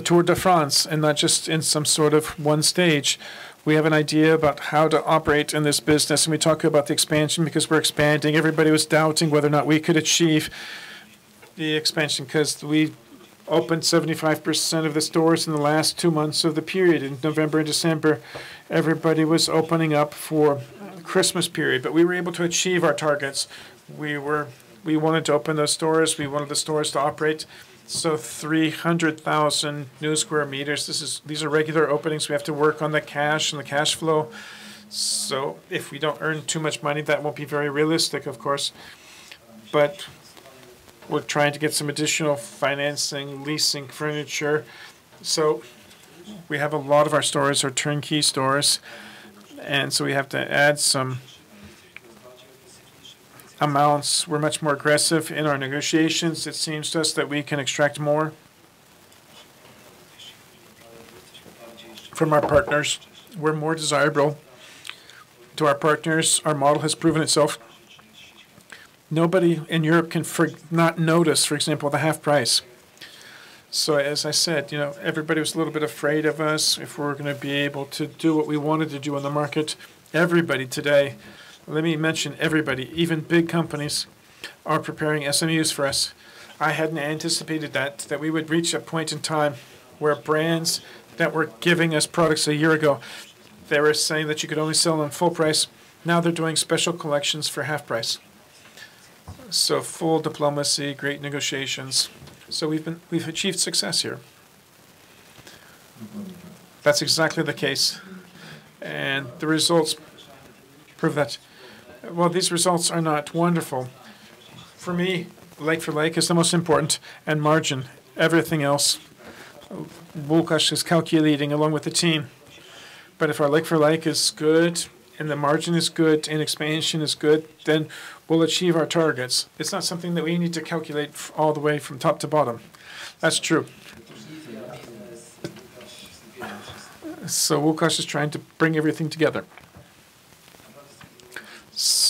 Tour de France and not just in some sort of one stage. We have an idea about how to operate in this business, and we talk about the expansion because we're expanding. Everybody was doubting whether or not we could achieve the expansion because we opened 75% of the stores in the last two months of the period. In November and December, everybody was opening up for Christmas period. We were able to achieve our targets. We wanted to open those stores. We wanted the stores to operate. 300,000 new sq m. These are regular openings. We have to work on the cash and the cash flow. If we don't earn too much money, that won't be very realistic, of course. We're trying to get some additional financing, leasing furniture. We have a lot of our stores are turnkey stores, we have to add some amounts. We're much more aggressive in our negotiations. It seems to us that we can extract more from our partners. We're more desirable to our partners. Our model has proven itself. Nobody in Europe cannot notice, for example, the HalfPrice. As I said, everybody was a little bit afraid of us, if we're going to be able to do what we wanted to do on the market. Everybody today, let me mention everybody, even big companies are preparing SMUs for us. I hadn't anticipated that we would reach a point in time where brands that were giving us products a year ago, they were saying that you could only sell them full price. Now they're doing special collections for HalfPrice. Full diplomacy, great negotiations. We've achieved success here. That's exactly the case. The results prove that. Well, these results are not wonderful. For me, like-for-like is the most important and margin. Everything else, Łukasz is calculating along with the team. If our like-for-like is good and the margin is good and expansion is good, then we'll achieve our targets. It's not something that we need to calculate all the way from top to bottom. That's true. Łukasz is trying to bring everything together.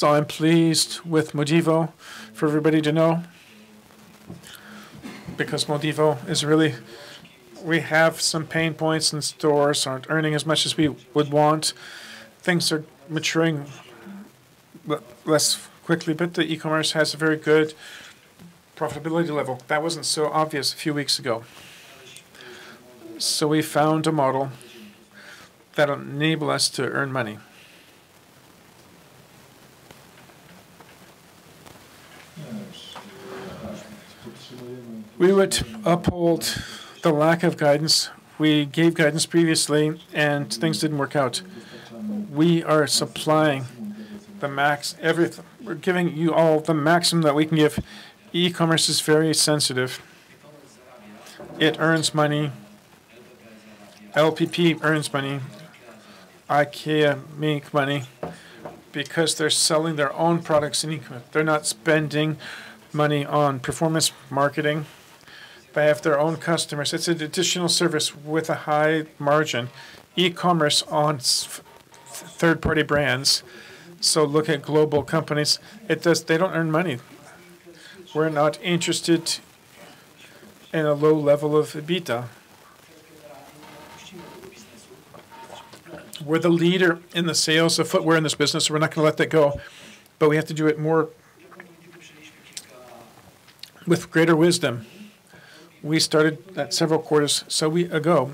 I'm pleased with Modivo, for everybody to know. Modivo is really, we have some pain points and stores aren't earning as much as we would want. Things are maturing less quickly, but the e-commerce has a very good profitability level. That wasn't so obvious a few weeks ago. We found a model that will enable us to earn money. We would uphold the lack of guidance. We gave guidance previously, and things didn't work out. We are supplying the max. We're giving you all the maximum that we can give. E-commerce is very sensitive. It earns money. LPP earns money. IKEA make money because they're selling their own products in e-commerce. They're not spending money on performance marketing. They have their own customers. It's an additional service with a high margin. E-commerce on third-party brands, look at global companies, they don't earn money. We're not interested in a low level of EBITDA. We're the leader in the sales of footwear in this business, we're not going to let that go, but we have to do it more with greater wisdom. We started that several quarters ago,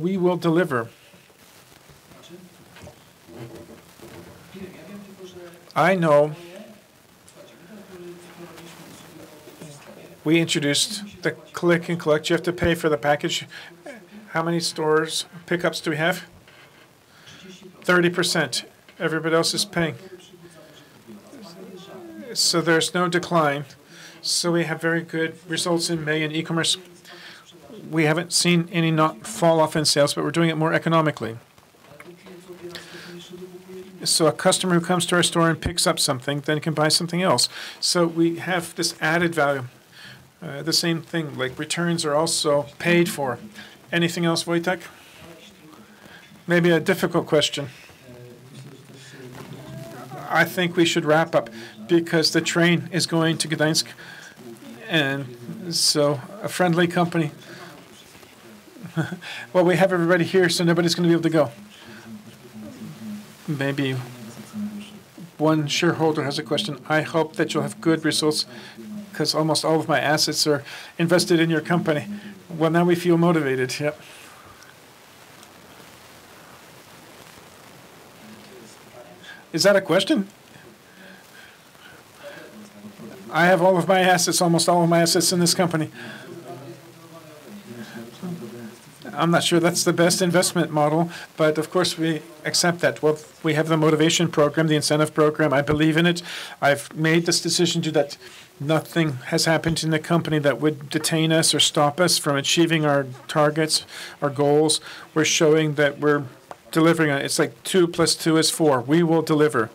we will deliver. I know we introduced the click and collect. You have to pay for the package. How many stores pickups do we have? 30%. Everybody else is paying. There's no decline. We have very good results in May in e-commerce. We haven't seen any fall off in sales, but we're doing it more economically. A customer who comes to our store and picks up something, then can buy something else. We have this added value. The same thing, like returns are also paid for. Anything else, Wojtek? Maybe a difficult question. I think we should wrap up because the train is going to Gdańsk, a friendly company. Well, we have everybody here, so nobody's going to be able to go. Maybe one shareholder has a question. I hope that you'll have good results because almost all of my assets are invested in your company. Well, now we feel motivated. Yep. Is that a question? I have all of my assets, almost all of my assets in this company. I'm not sure that's the best investment model, but of course, we accept that. Well, we have the motivation program, the incentive program. I believe in it. I've made this decision that nothing has happened in the company that would detain us or stop us from achieving our targets, our goals. We're showing that we're delivering. It's like 2+2 is four. We will deliver.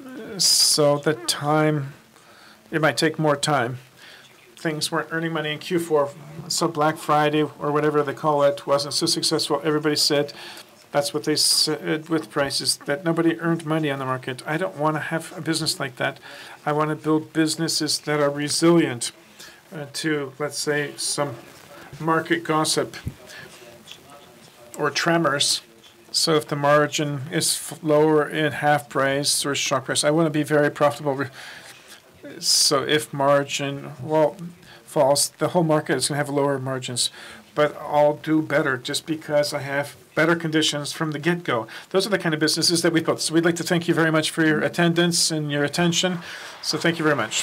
The time, it might take more time. Things weren't earning money in Q4, so Black Friday or whatever they call it, wasn't so successful. Everybody said that's what they said with prices, that nobody earned money on the market. I don't want to have a business like that. I want to build businesses that are resilient to, let's say, some market gossip or tremors. If the margin is lower in HalfPrice or Shock Price, I want to be very profitable. If margin, well, falls, the whole market is going to have lower margins. I'll do better just because I have better conditions from the get-go. Those are the kind of businesses that we've built. We'd like to thank you very much for your attendance and your attention. Thank you very much.